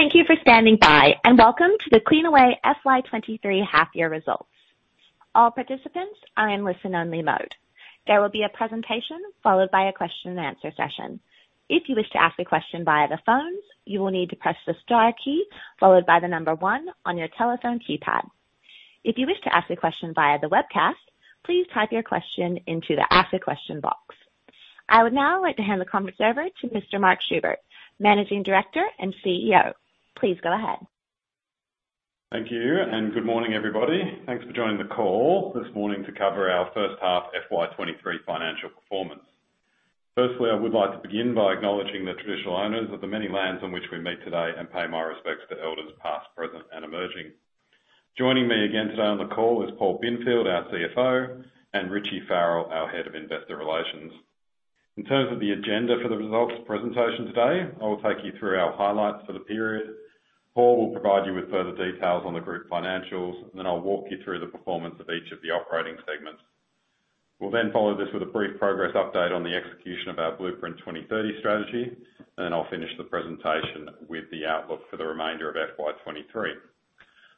Thank you for standing by, welcome to the Cleanaway FY 2023 half year results. All participants are in listen only mode. There will be a presentation followed by a question and answer session. If you wish to ask a question via the phones, you will need to press the star key followed by the one on your telephone keypad. If you wish to ask a question via the webcast, please type your question into the ask a question box. I would now like to hand the conference over to Mr. Mark Schubert, Managing Director and CEO. Please go ahead. Thank you. Good morning, everybody. Thanks for joining the call this morning to cover our first half FY 2023 financial performance. Firstly, I would like to begin by acknowledging the traditional owners of the many lands on which we meet today, pay my respects to elders past, present, and emerging. Joining me again today on the call is Paul Binfield, our CFO, and Richie Farrell, our Head of Investor Relations. In terms of the agenda for the results presentation today, I will take you through our highlights for the period. Paul will provide you with further details on the group financials. I'll walk you through the performance of each of the operating segments. We'll follow this with a brief progress update on the execution of our Blueprint 2030 strategy. I'll finish the presentation with the outlook for the remainder of FY 2023.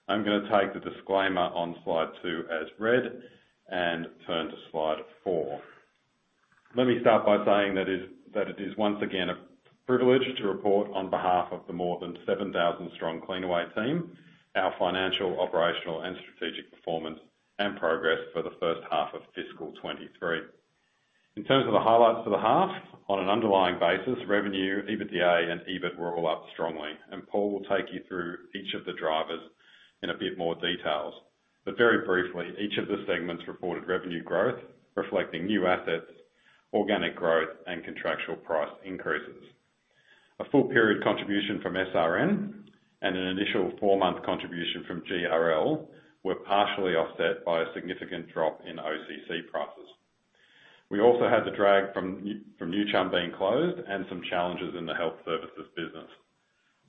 I'm gonna take the disclaimer on slide two as read and turn to slide four. Let me start by saying that it is once again a privilege to report on behalf of the more than 7,000 strong Cleanaway team, our financial, operational, and strategic performance and progress for the first half of fiscal 2023. In terms of the highlights for the half, on an underlying basis, revenue, EBITDA and EBIT were all up strongly, Paul will take you through each of the drivers in a bit more details. Very briefly, each of the segments reported revenue growth, reflecting new assets, organic growth, and contractual price increases. A full period contribution from SRN and an initial four-month contribution from GRL were partially offset by a significant drop in OCC prices. We also had the drag from New Chum being closed and some challenges in the health services business.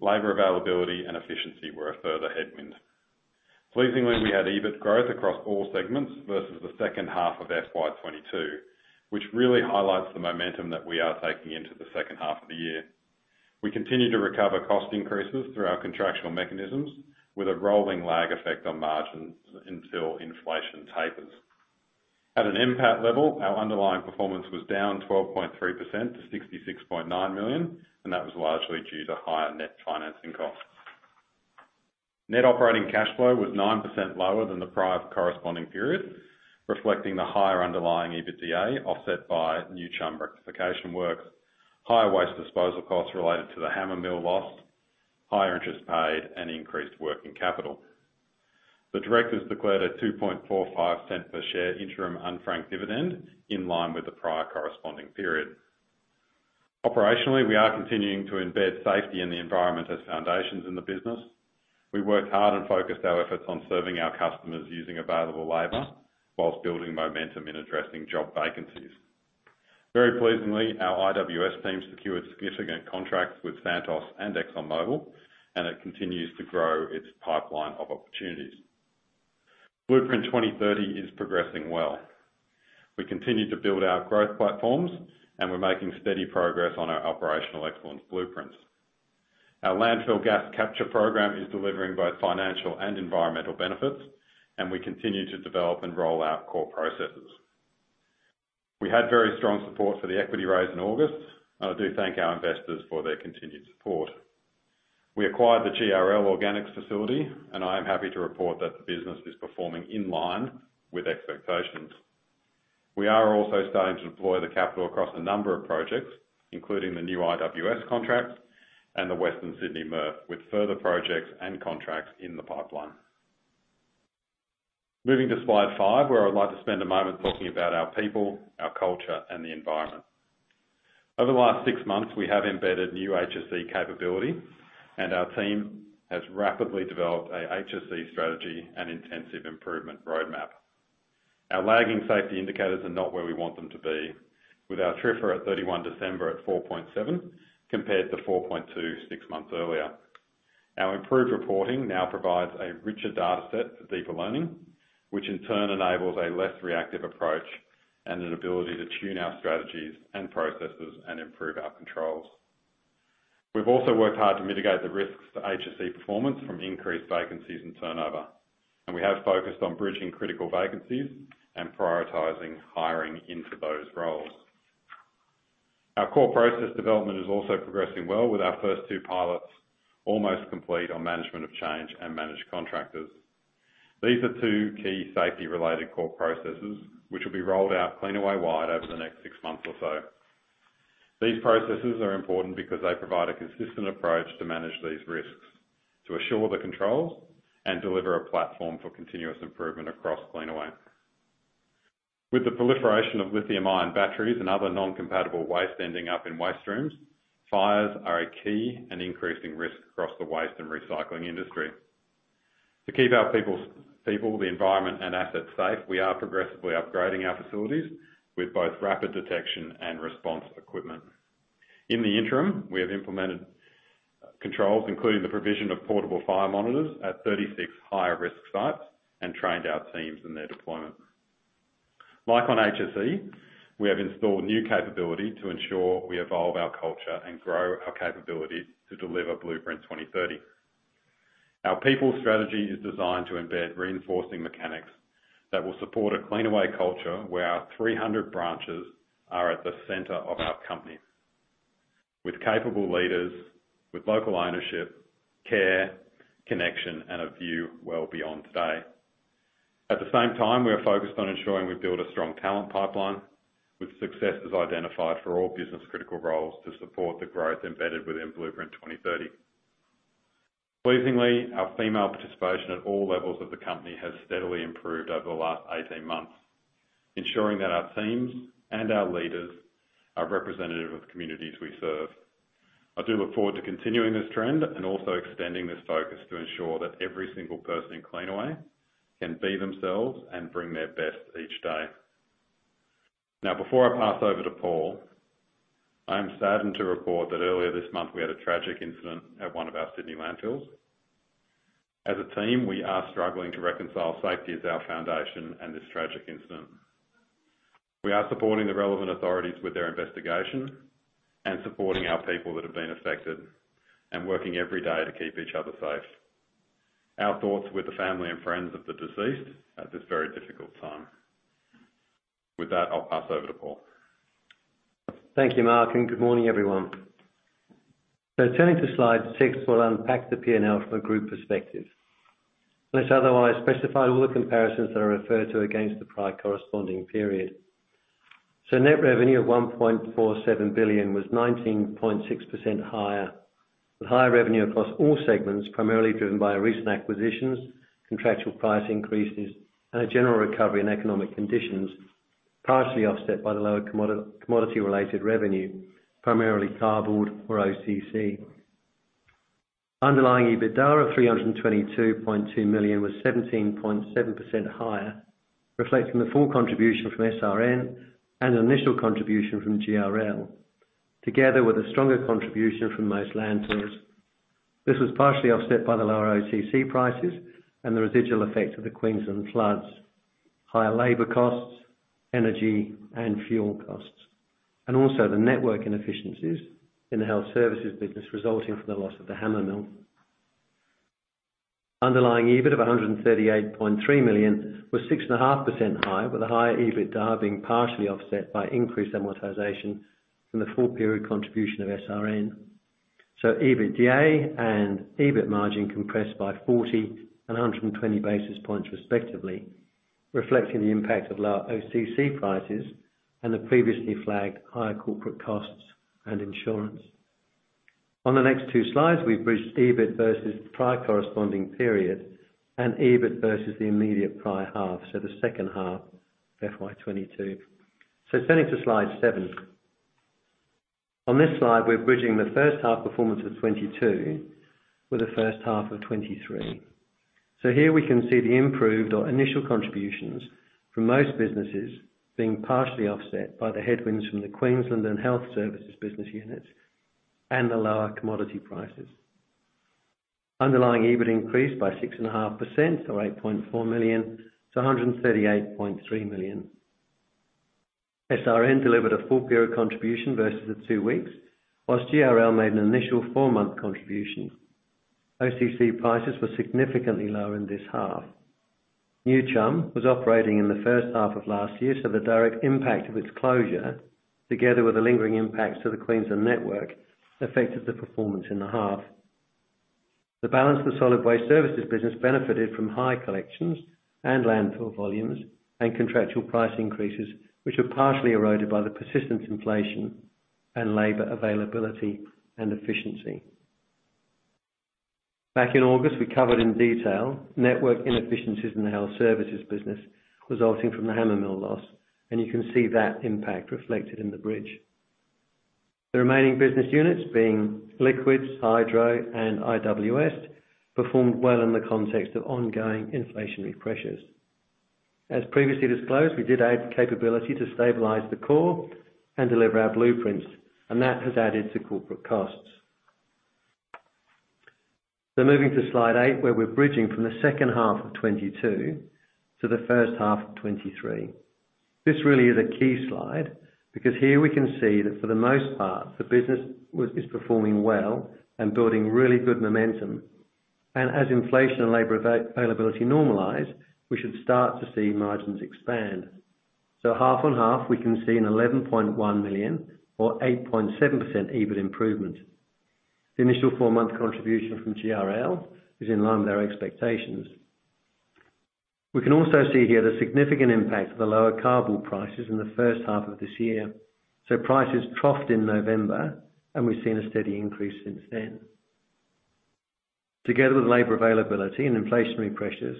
Labor availability and efficiency were a further headwind. Pleasingly, we had EBIT growth across all segments versus the second half of FY 2022, which really highlights the momentum that we are taking into the second half of the year. We continue to recover cost increases through our contractual mechanisms with a rolling lag effect on margins until inflation tapers. At an impact level, our underlying performance was down 12.3% to 66.9 million, and that was largely due to higher net financing costs. Net operating cash flow was 9% lower than the prior corresponding period, reflecting the higher underlying EBITDA offset by New Chum rectification works, higher waste disposal costs related to the hammer mill loss, higher interest paid and increased working capital. The directors declared an 0.0245 per share interim unfranked dividend in line with the prior corresponding period. Operationally, we are continuing to embed safety and the environment as foundations in the business. We worked hard and focused our efforts on serving our customers using available labor whilst building momentum in addressing job vacancies. Very pleasingly, our IWS team secured significant contracts with Santos and ExxonMobil, it continues to grow its pipeline of opportunities. Blueprint 2030 is progressing well. We continue to build our growth platforms, we're making steady progress on our operational excellence blueprints. Our landfill gas capture program is delivering both financial and environmental benefits, we continue to develop and roll out core processes. We had very strong support for the equity raise in August, I do thank our investors for their continued support. We acquired the GRL organics facility. I am happy to report that the business is performing in line with expectations. We are also starting to deploy the capital across a number of projects, including the new IWS contracts and the Western Sydney MRF, with further projects and contracts in the pipeline. Moving to slide five, where I'd like to spend a moment talking about our people, our culture, and the environment. Over the last six months, we have embedded new HSE capability and our team has rapidly developed a HSE strategy and intensive improvement roadmap. Our lagging safety indicators are not where we want them to be. With our TRIFR at 31 December at 4.7, compared to 4.2, six months earlier. Our improved reporting now provides a richer data set for deeper learning, which in turn enables a less reactive approach and an ability to tune our strategies and processes and improve our controls. We've also worked hard to mitigate the risks to HSE performance from increased vacancies and turnover. We have focused on bridging critical vacancies and prioritizing hiring into those roles. Our core process development is also progressing well with our first two pilots almost complete on management of change and managed contractors. These are two key safety-related core processes which will be rolled out Cleanaway-wide over the next six months or so. These processes are important because they provide a consistent approach to manage these risks, to assure the controls, deliver a platform for continuous improvement across Cleanaway. With the proliferation of lithium-ion batteries and other non-compatible waste ending up in waste rooms, fires are a key and increasing risk across the waste and recycling industry. To keep our peoples-people, the environment and assets safe, we are progressively upgrading our facilities with both rapid detection and response equipment. In the interim, we have implemented controls, including the provision of portable fire monitors at 36 higher risk sites and trained our teams in their deployment. Like on HSE, we have installed new capability to ensure we evolve our culture and grow our capability to deliver Blueprint 2030. Our people strategy is designed to embed reinforcing mechanics that will support a Cleanaway culture where our 300 branches are at the center of our company. With capable leaders, with local ownership, care, connection, and a view well beyond today. At the same time, we are focused on ensuring we build a strong talent pipeline with successes identified for all business critical roles to support the growth embedded within Blueprint 2030. Pleasingly, our female participation at all levels of the company has steadily improved over the last 18 months, ensuring that our teams and our leaders are representative of the communities we serve. I do look forward to continuing this trend and also extending this focus to ensure that every single person in Cleanaway can be themselves and bring their best each day. Now, before I pass over to Paul, I am saddened to report that earlier this month, we had a tragic incident at one of our Sydney landfills. As a team, we are struggling to reconcile safety as our foundation and this tragic incident. We are supporting the relevant authorities with their investigation and supporting our people that have been affected and working every day to keep each other safe. Our thoughts with the family and friends of the deceased at this very difficult time. With that, I'll pass over to Paul. Thank you, Mark. Good morning, everyone. Turning to slide six, we'll unpack the P&L from a group perspective. Unless otherwise specified, all the comparisons that are referred to are against the prior corresponding period. Net revenue of 1.47 billion was 19.6% higher, with higher revenue across all segments, primarily driven by recent acquisitions, contractual price increases, and a general recovery in economic conditions, partially offset by the lower commodity-related revenue, primarily cardboard or OCC. Underlying EBITDA of 322.2 million was 17.7% higher, reflecting the full contribution from SRN and initial contribution from GRL, together with a stronger contribution from most landfills. This was partially offset by the lower OCC prices and the residual effects of the Queensland floods, higher labor costs, energy and fuel costs, and also the network inefficiencies in the health services business resulting from the loss of the hammer mill. Underlying EBIT of 138.3 million was 6.5% higher, with a higher EBITDA being partially offset by increased amortization from the full period contribution of SRN. EBITDA and EBIT margin compressed by 40 and 120 basis points respectively, reflecting the impact of lower OCC prices and the previously flagged higher corporate costs and insurance. On the next two slides, we've bridged EBIT versus prior corresponding period and EBIT versus the immediate prior half, the second half FY 2022. Turning to slide seven. On this slide, we're bridging the first half performance of 2022 with the first half of 2023. Here we can see the improved or initial contributions from most businesses being partially offset by the headwinds from the Queensland and health services business units and the lower commodity prices. Underlying EBIT increased by 6.5 million or 8.4 million to 138.3 million. SRN delivered a full period contribution versus the two weeks, whilst GRL made an initial four-month contribution. OCC prices were significantly lower in this half. New Chum was operating in the first half of last year, so the direct impact of its closure, together with the lingering impacts to the Queensland network, affected the performance in the half. The balance of the Solid Waste Services business benefited from high collections and landfill volumes and contractual price increases, which were partially eroded by the persistent inflation and labor availability and efficiency. Back in August, we covered in detail network inefficiencies in the health services business resulting from the hammer mill loss, and you can see that impact reflected in the bridge. The remaining business units, being liquids, hydro, and IWS, performed well in the context of ongoing inflationary pressures. As previously disclosed, we did add capability to stabilize the core and deliver our blueprints, and that has added to corporate costs. Moving to slide eight, where we're bridging from the second half of 2022 to the first half of 2023. This really is a key slide because here we can see that for the most part, the business is performing well and building really good momentum. As inflation and labor availability normalize, we should start to see margins expand. Half-and-half, we can see an 11.1 million or 8.7% EBIT improvement. The initial four-month contribution from GRL is in line with our expectations. We can also see here the significant impact of the lower cardboard prices in the first half of this year. Prices troughed in November, and we've seen a steady increase since then. Together with labor availability and inflationary pressures,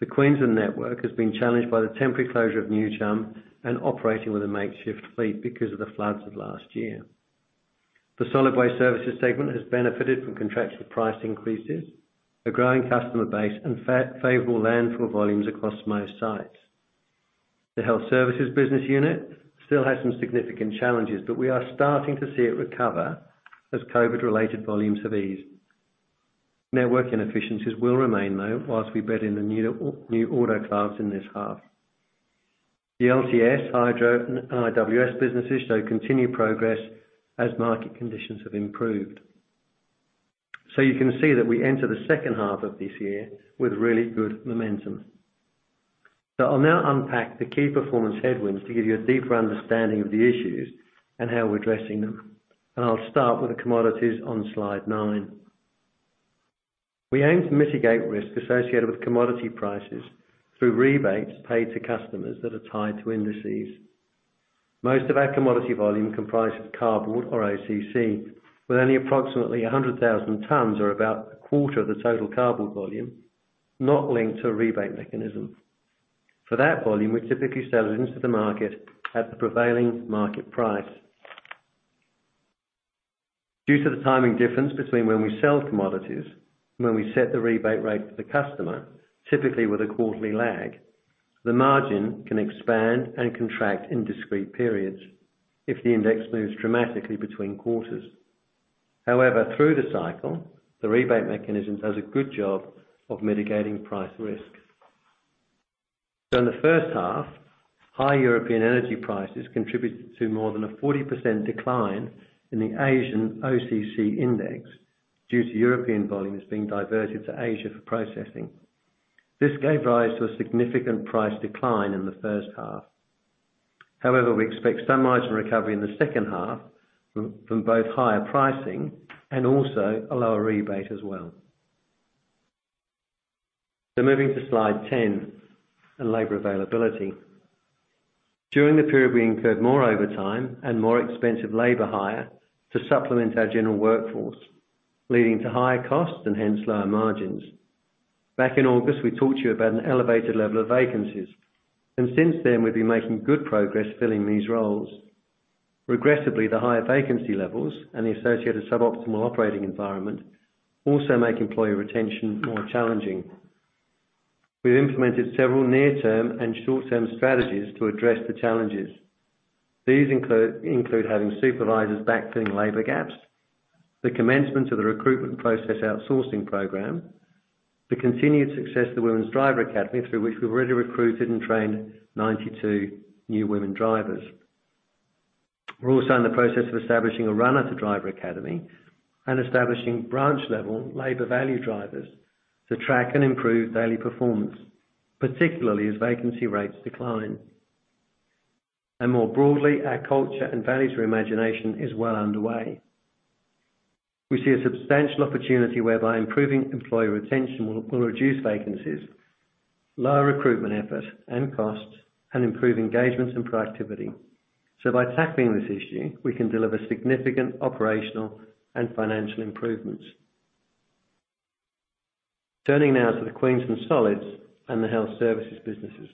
the Queensland network has been challenged by the temporary closure of New Chum and operating with a makeshift fleet because of the floods of last year. TheSolid Waste Services segment has benefited from contractual price increases, a growing customer base, and favorable landfill volumes across most sites. The health services business unit still has some significant challenges, but we are starting to see it recover as COVID-related volumes have eased. Network inefficiencies will remain though, whilst we bed in the new autoclaves in this half. The LTS, hydro, and IWS businesses show continued progress as market conditions have improved. You can see that we enter the second half of this year with really good momentum. I'll now unpack the key performance headwinds to give you a deeper understanding of the issues and how we're addressing them. I'll start with the commodities on Slide nine. We aim to mitigate risk associated with commodity prices through rebates paid to customers that are tied to indices. Most of our commodity volume comprises cardboard or OCC, with only approximately 100,000 tons or about a quarter of the total cardboard volume not linked to a rebate mechanism. For that volume, we typically sell it into the market at the prevailing market price. Due to the timing difference between when we sell commodities and when we set the rebate rate for the customer, typically with a quarterly lag, the margin can expand and contract in discrete periods if the index moves dramatically between quarters. However, through the cycle, the rebate mechanism does a good job of mitigating price risk. In the first half, high European energy prices contributed to more than a 40% decline in the Asian OCC index due to European volumes being diverted to Asia for processing. This gave rise to a significant price decline in the first half. However, we expect some margin recovery in the second half from both higher pricing and also a lower rebate as well. Moving to Slide 10 on labor availability. During the period, we incurred more overtime and more expensive labor hire to supplement our general workforce, leading to higher costs and hence lower margins. Back in August, we told you about an elevated level of vacancies, and since then we've been making good progress filling these roles. Regrettably, the higher vacancy levels and the associated suboptimal operating environment also make employee retention more challenging. We've implemented several near-term and short-term strategies to address the challenges. These include having supervisors backfilling labor gaps, the commencement of the recruitment process outsourcing program, the continued success of the Women's Driver Academy, through which we've already recruited and trained 92 new women drivers. We're also in the process of establishing a Runner to Driver Academy and establishing branch-level labor value drivers to track and improve daily performance, particularly as vacancy rates decline. More broadly, our culture and values reimagination is well underway. We see a substantial opportunity whereby improving employee retention will reduce vacancies, lower recruitment effort and costs, and improve engagements and productivity. By tackling this issue, we can deliver significant operational and financial improvements. Turning now to the Queensland Solids and the Health Services businesses.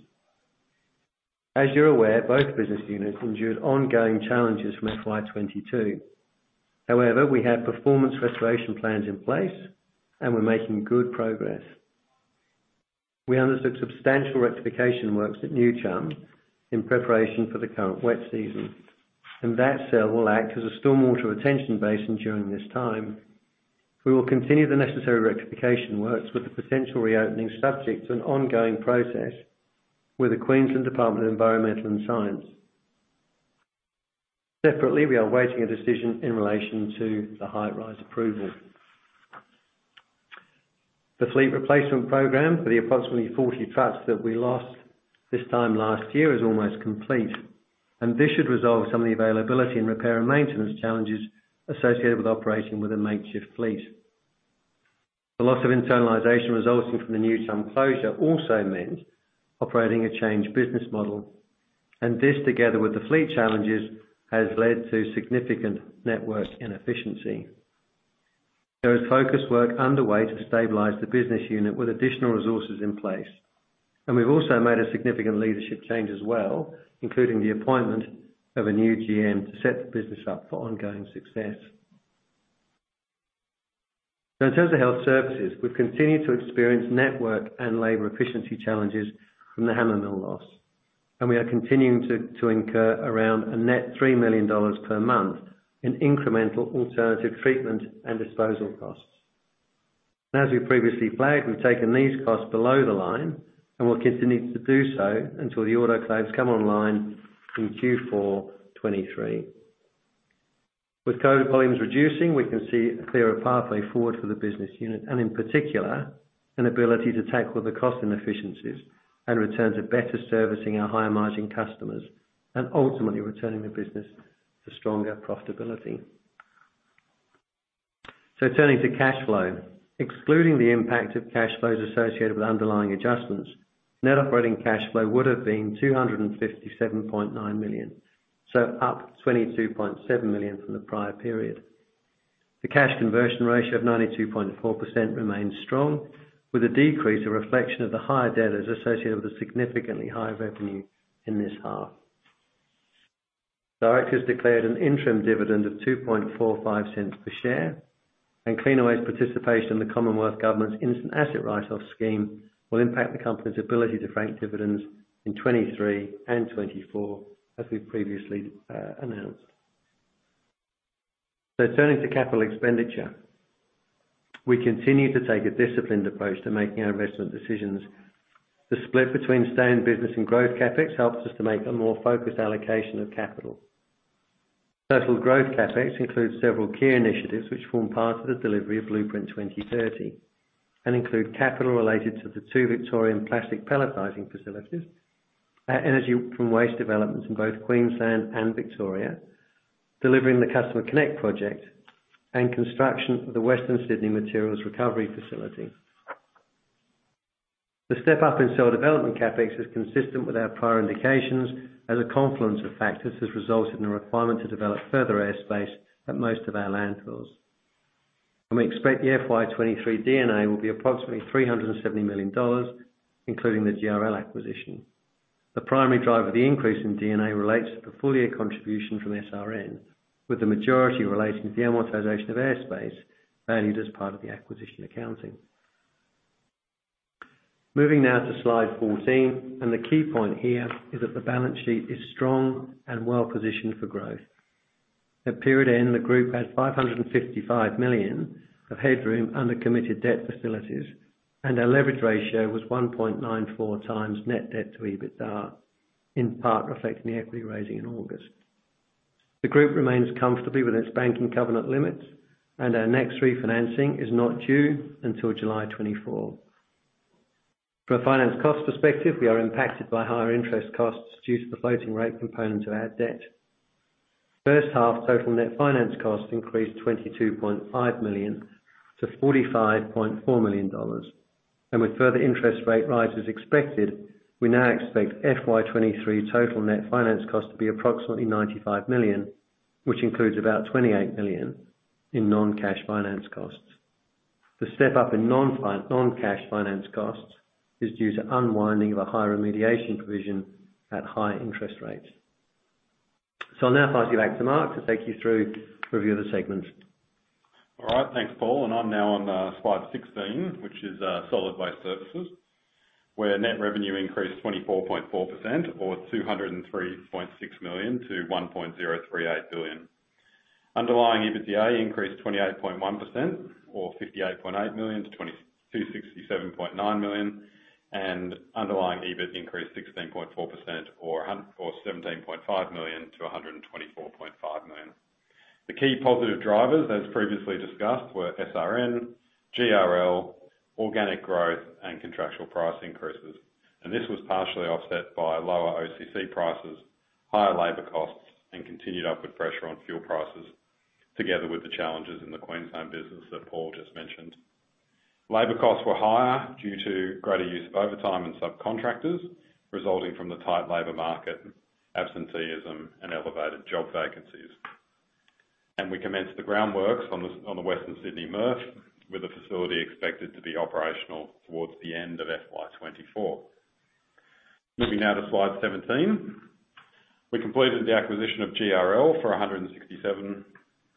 As you're aware, both business units endured ongoing challenges from FY 2022. However, we have performance restoration plans in place, and we're making good progress. We understood substantial rectification works at New Chum in preparation for the current wet season, and that cell will act as a stormwater retention basin during this time. We will continue the necessary rectification works with the potential reopening subject to an ongoing process with the Queensland Department of Environment and Science. Separately, we are awaiting a decision in relation to the Hy-Rise approval. The fleet replacement program for the approximately 40 trucks that we lost this time last year is almost complete, and this should resolve some of the availability and repair and maintenance challenges associated with operating with a makeshift fleet. The loss of internalization resulting from the New Chum closure also meant operating a changed business model, and this together with the fleet challenges, has led to significant network inefficiency. There is focused work underway to stabilize the business unit with additional resources in place, and we've also made a significant leadership change as well, including the appointment of a new GM to set the business up for ongoing success. In terms of health services, we've continued to experience network and labor efficiency challenges from the hammermill loss, and we are continuing to incur around a net 3 million dollars per month in incremental alternative treatment and disposal costs. As we previously flagged, we've taken these costs below the line and will continue to do so until the autoclaves come online in Q4 2023. With COVID volumes reducing, we can see a clearer pathway forward for the business unit and in particular, an ability to tackle the cost inefficiencies and return to better servicing our higher margin customers and ultimately returning the business to stronger profitability. Turning to cash flow, excluding the impact of cash flows associated with underlying adjustments, net operating cash flow would have been 257.9 million, so up 22.7 million from the prior period. The cash conversion ratio of 92.4% remains strong with a decrease or reflection of the higher debtors associated with the significantly higher revenue in this half. Directors declared an interim dividend of 0.0245 per share and Cleanaway's participation in the Commonwealth Government's Instant Asset Write-Off scheme will impact the company's ability to frank dividends in 2023 and 2024, as we've previously announced. Turning to capital expenditure. We continue to take a disciplined approach to making our investment decisions. The split between staying business and growth CapEx helps us to make a more focused allocation of capital. Total growth CapEx includes several key initiatives which form part of the delivery of Blueprint 2030, and include capital related to the two Victorian plastic pelletizing facilities, our energy from waste developments in both Queensland and Victoria, delivering the CustomerConnect project, and construction of the Western Sydney Materials Recovery Facility. The step-up in cell development CapEx is consistent with our prior indications, as a confluence of factors has resulted in a requirement to develop further airspace at most of our landfills. We expect the FY 2023 D&A will be approximately 370 million dollars, including the GRL acquisition. The primary driver of the increase in D&A relates to the full year contribution from SRN, with the majority relating to the amortization of airspace valued as part of the acquisition accounting. Moving now to slide 14, the key point here is that the balance sheet is strong and well-positioned for growth. At period end, the group had 555 million of headroom under committed debt facilities, and our leverage ratio was 1.94x net debt to EBITDA, in part reflecting the equity raising in August. The group remains comfortably within its banking covenant limits, and our next refinancing is not due until July 2024. From a finance cost perspective, we are impacted by higher interest costs due to the floating rate component of our debt. First half total net finance costs increased 22.5 million-45.4 million dollars. With further interest rate rises expected, we now expect FY 2023 total net finance cost to be approximately 95 million, which includes about 28 million in non-cash finance costs. The step-up in non-cash finance costs is due to unwinding of a high remediation provision at high interest rates. I'll now pass you back to Mark to take you through a review of the segments. All right. Thanks, Paul. I'm now on slide 16, which is Solid Waste Services, where net revenue increased 24.4% or 203.6 million-1.038 billion. Underlying EBITDA increased 28.1% or 58.8 million-67.9 million. Underlying EBIT increased 16.4% or 17.5 million-124.5 million. The key positive drivers, as previously discussed, were SRN, GRL, organic growth, and contractual price increases. This was partially offset by lower OCC prices, higher labor costs, and continued upward pressure on fuel prices, together with the challenges in the Queensland business that Paul just mentioned. Labor costs were higher due to greater use of overtime and subcontractors, resulting from the tight labor market, absenteeism and elevated job vacancies. We commenced the groundworks on the Western Sydney MRF, with the facility expected to be operational towards the end of FY 2024. Moving now to slide 17. We completed the acquisition of GRL for 167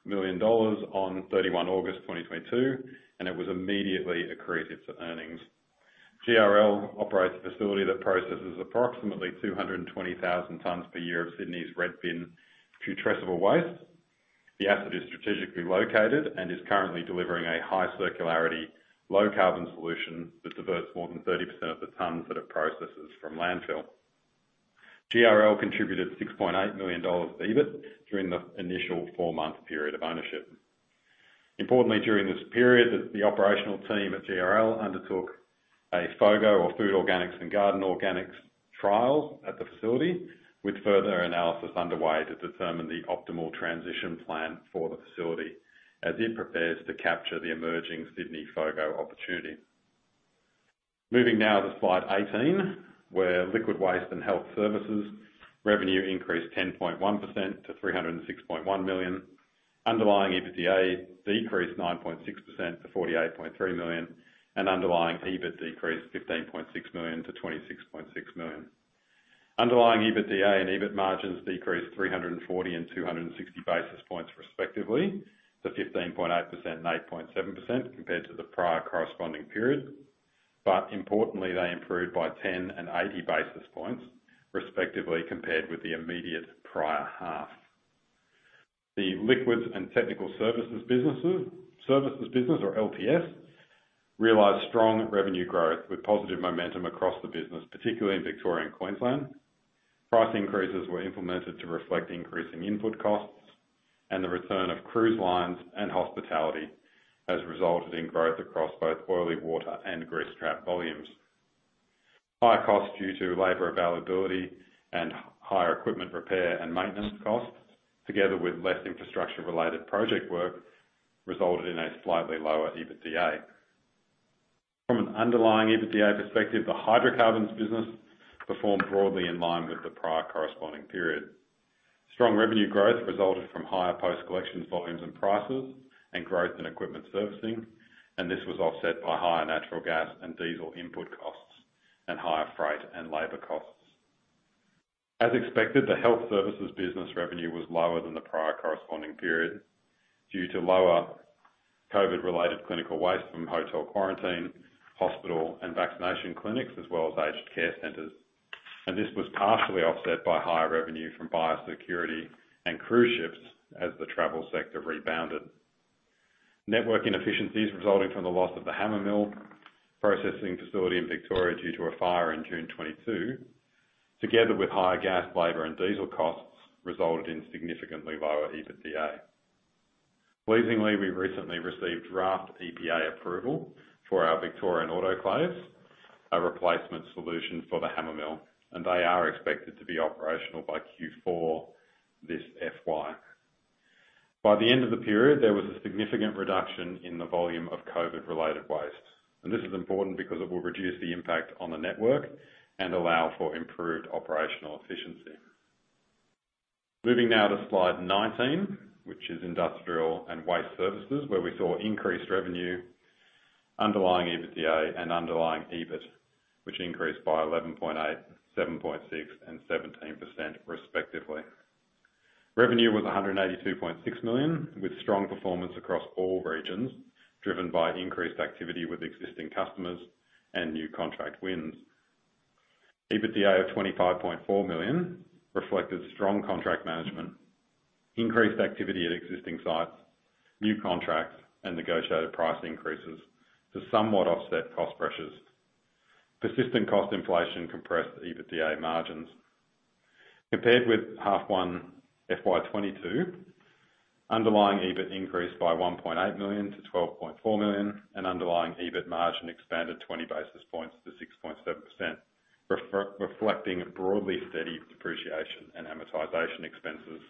million dollars on 31 August 2022, and it was immediately accretive to earnings. GRL operates a facility that processes approximately 220,000 tons per year of Sydney's red bin putrescible waste. The asset is strategically located and is currently delivering a high circularity, low carbon solution that diverts more than 30% of the tons that it processes from landfill. GRL contributed 6.8 million dollars EBIT during the initial four-month period of ownership. Importantly, during this period, the operational team at GRL undertook a FOGO or Food Organics and Garden Organics trial at the facility with further analysis underway to determine the optimal transition plan for the facility as it prepares to capture the emerging Sydney FOGO opportunity. Moving now to slide 18, where liquid waste and health services revenue increased 10.1% to 306.1 million. Underlying EBITDA decreased 9.6% to 48.3 million, underlying EBIT decreased 15.6 million-26.6 million. Underlying EBITDA and EBIT margins decreased 340 and 260 basis points respectively to 15.8% and 8.7% compared to the prior corresponding period. Importantly, they improved by 10 and 80 basis points respectively compared with the immediate prior half. The liquids and technical services business or LTS realized strong revenue growth with positive momentum across the business, particularly in Victoria and Queensland. Price increases were implemented to reflect increasing input costs and the return of cruise lines and hospitality has resulted in growth across both oily water and grease trap volumes. Higher costs due to labor availability and higher equipment repair and maintenance costs, together with less infrastructure-related project work, resulted in a slightly lower EBITDA. From an underlying EBITDA perspective, the hydrocarbons business performed broadly in line with the prior corresponding period. Strong revenue growth resulted from higher post-collection volumes and prices and growth in equipment servicing. This was offset by higher natural gas and diesel input costs, and higher freight and labor costs. As expected, the health services business revenue was lower than the prior corresponding period. Due to lower COVID-related clinical waste from hotel quarantine, hospital and vaccination clinics as well as aged care centers. This was partially offset by higher revenue from biosecurity and cruise ships as the travel sector rebounded. Network inefficiencies resulting from the loss of the hammer mill processing facility in Victoria due to a fire in June 2022, together with higher gas, labor and diesel costs, resulted in significantly lower EBITDA. Pleasingly, we recently received draft EPA approval for our Victorian autoclaves, a replacement solution for the hammer mill, and they are expected to be operational by Q4 this FY. By the end of the period, there was a significant reduction in the volume of COVID-related waste. This is important because it will reduce the impact on the network and allow for improved operational efficiency. Moving now to slide 19, which is industrial and waste services, where we saw increased revenue underlying EBITDA and underlying EBIT, which increased by 11.8, 7.6 and 17% respectively. Revenue was 182.6 million, with strong performance across all regions, driven by increased activity with existing customers and new contract wins. EBITDA of 25.4 million reflected strong contract management, increased activity at existing sites, new contracts and negotiated price increases to somewhat offset cost pressures. Persistent cost inflation compressed EBITDA margins. Compared with H1 FY 2022, underlying EBIT increased by 1.8 million-12.4 million and underlying EBIT margin expanded 20 basis points to 6.7%, reflecting broadly steady depreciation and amortisation expenses.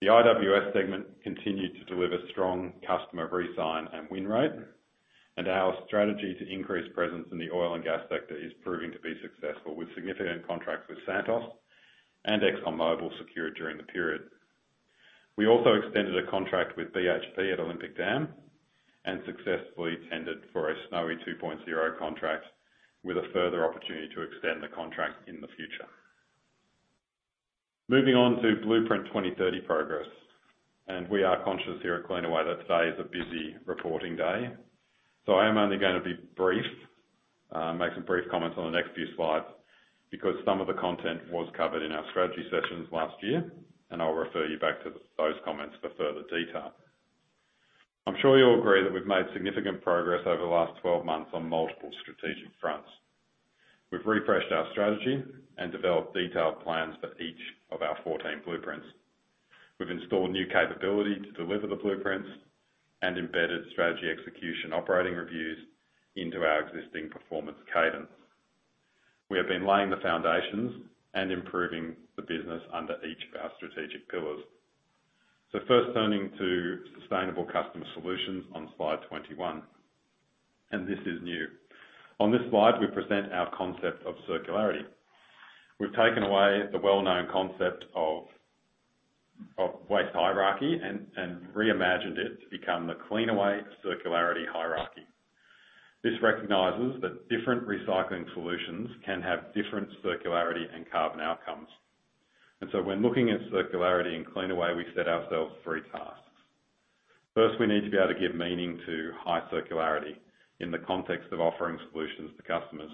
The IWS segment continued to deliver strong customer resign and win rate. Our strategy to increase presence in the oil and gas sector is proving to be successful, with significant contracts with Santos and ExxonMobil secured during the period. We also extended a contract with BHP at Olympic Dam and successfully tendered for a Snowy 2.0 contract with a further opportunity to extend the contract in the future. Moving on to Blueprint 2030 progress. We are conscious here at Cleanaway that today is a busy reporting day. I am only going to be brief, make some brief comments on the next few slides because some of the content was covered in our strategy sessions last year, and I'll refer you back to those comments for further detail. I'm sure you'll agree that we've made significant progress over the last 12 months on multiple strategic fronts. We've refreshed our strategy and developed detailed plans for each of our 14 blueprints. We've installed new capability to deliver the blueprints and embedded strategy execution operating reviews into our existing performance cadence. We have been laying the foundations and improving the business under each of our strategic pillars. First turning to sustainable customer solutions on slide 21. This is new. On this slide, we present our concept of circularity. We've taken away the well-known concept of waste hierarchy and reimagined it to become the Cleanaway circularity hierarchy. This recognizes that different recycling solutions can have different circularity and carbon outcomes. When looking at circularity in Cleanaway, we set ourselves three tasks. First, we need to be able to give meaning to high circularity in the context of offering solutions to customers.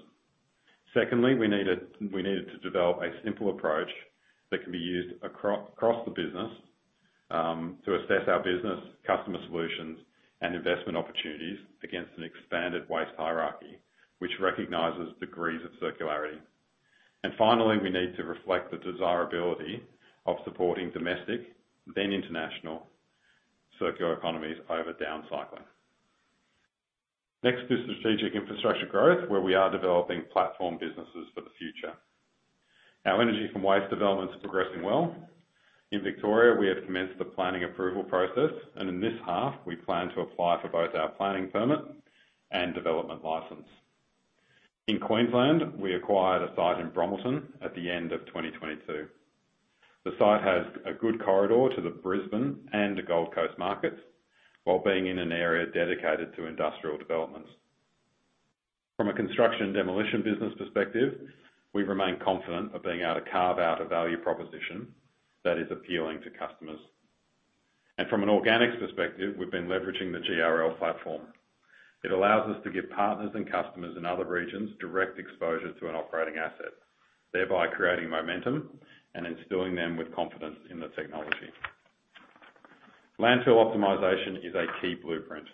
Secondly, we needed to develop a simple approach that can be used across the business to assess our business customer solutions and investment opportunities against an expanded waste hierarchy which recognizes degrees of circularity. Finally, we need to reflect the desirability of supporting domestic, then international circular economies over down cycling. Next is strategic infrastructure growth, where we are developing platform businesses for the future. Our energy from waste development is progressing well. In Victoria, we have commenced the planning approval process. In this half, we plan to apply for both our planning permit and development license. In Queensland, we acquired a site in Bromelton at the end of 2022. The site has a good corridor to the Brisbane and the Gold Coast markets while being in an area dedicated to industrial developments. From a construction demolition business perspective, we remain confident of being able to carve out a value proposition that is appealing to customers. From an organics perspective, we've been leveraging the GRL platform. It allows us to give partners and customers in other regions direct exposure to an operating asset, thereby creating momentum and instilling them with confidence in the technology. Landfill optimization is a key Blueprint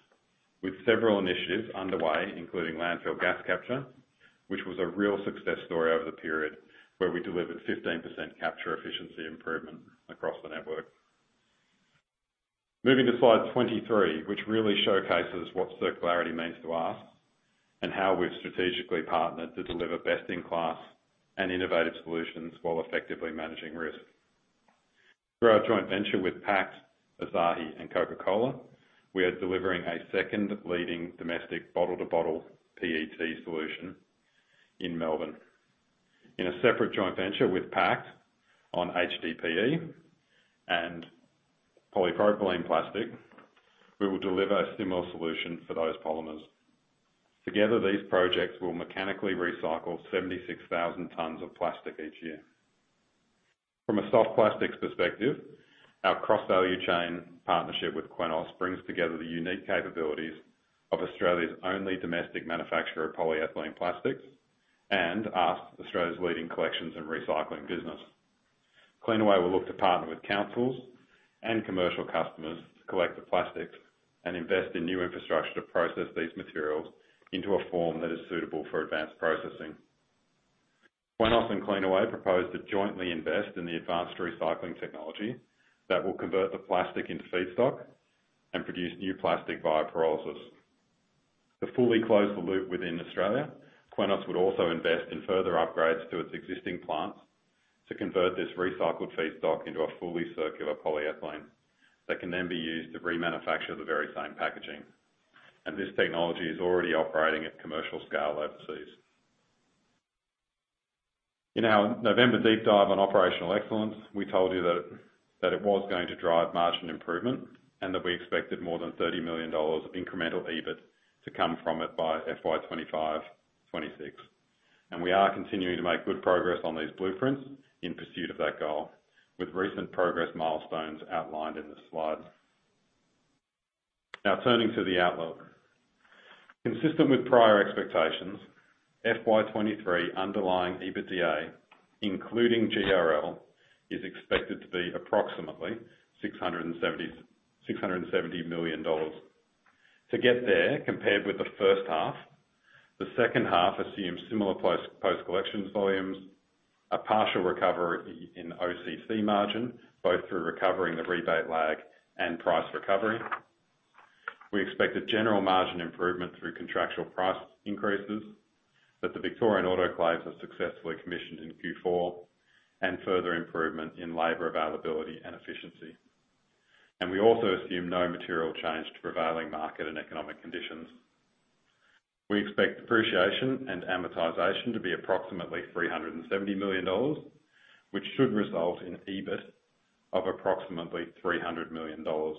with several initiatives underway, including landfill gas capture, which was a real success story over the period where we delivered 15% capture efficiency improvement across the network. Moving to slide 23, which really showcases what circularity means to us and how we've strategically partnered to deliver best in class and innovative solutions while effectively managing risk. Through our joint venture with Pact Group, Asahi and Coca-Cola, we are delivering a second leading domestic bottle to bottle PET solution in Melbourne. In a separate joint venture with Pact Group on HDPE and polypropylene plastic, we will deliver a similar solution for those polymers. Together, these projects will mechanically recycle 76,000 tons of plastic each year. From a soft plastics perspective, our cross-value chain partnership with Qenos brings together the unique capabilities of Australia's only domestic manufacturer of polyethylene plastics and asks Australia's leading collections and recycling business. Cleanaway will look to partner with councils and commercial customers to collect the plastics and invest in new infrastructure to process these materials into a form that is suitable for advanced processing. Qenos and Cleanaway propose to jointly invest in the advanced recycling technology that will convert the plastic into feedstock and produce new plastic via pyrolysis. To fully close the loop within Australia, Qenos would also invest in further upgrades to its existing plants to convert this recycled feedstock into a fully circular polyethylene that can then be used to remanufacture the very same packaging. This technology is already operating at commercial scale overseas. In our November deep dive on operational excellence, we told you that it was going to drive margin improvement and that we expected more than AUD 30 million incremental EBIT to come from it by FY 2025/2026. We are continuing to make good progress on these blueprints in pursuit of that goal, with recent progress milestones outlined in this slide. Now turning to the outlook. Consistent with prior expectations, FY 2023 underlying EBITDA, including GRL, is expected to be approximately 670 million dollars. To get there, compared with the first half, the second half assumes similar post-collections volumes, a partial recovery in OCC margin, both through recovering the rebate lag and price recovery. We expect a general margin improvement through contractual price increases, that the Victorian autoclaves are successfully commissioned in Q4, and further improvement in labor availability and efficiency. We also assume no material change to prevailing market and economic conditions. We expect depreciation and amortization to be approximately 370 million dollars, which should result in EBIT of approximately 300 million dollars.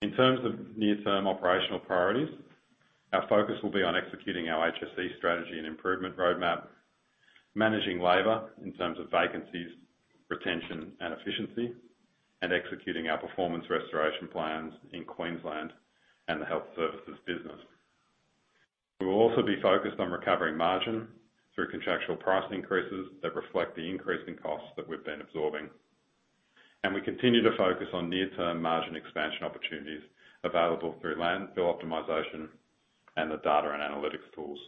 In terms of near-term operational priorities, our focus will be on executing our HSE strategy and improvement roadmap, managing labor in terms of vacancies, retention and efficiency, and executing our performance restoration plans in Queensland and the health services business. We will also be focused on recovering margin through contractual price increases that reflect the increasing costs that we've been absorbing. We continue to focus on near-term margin expansion opportunities available through landfill optimization and the data and analytics tools.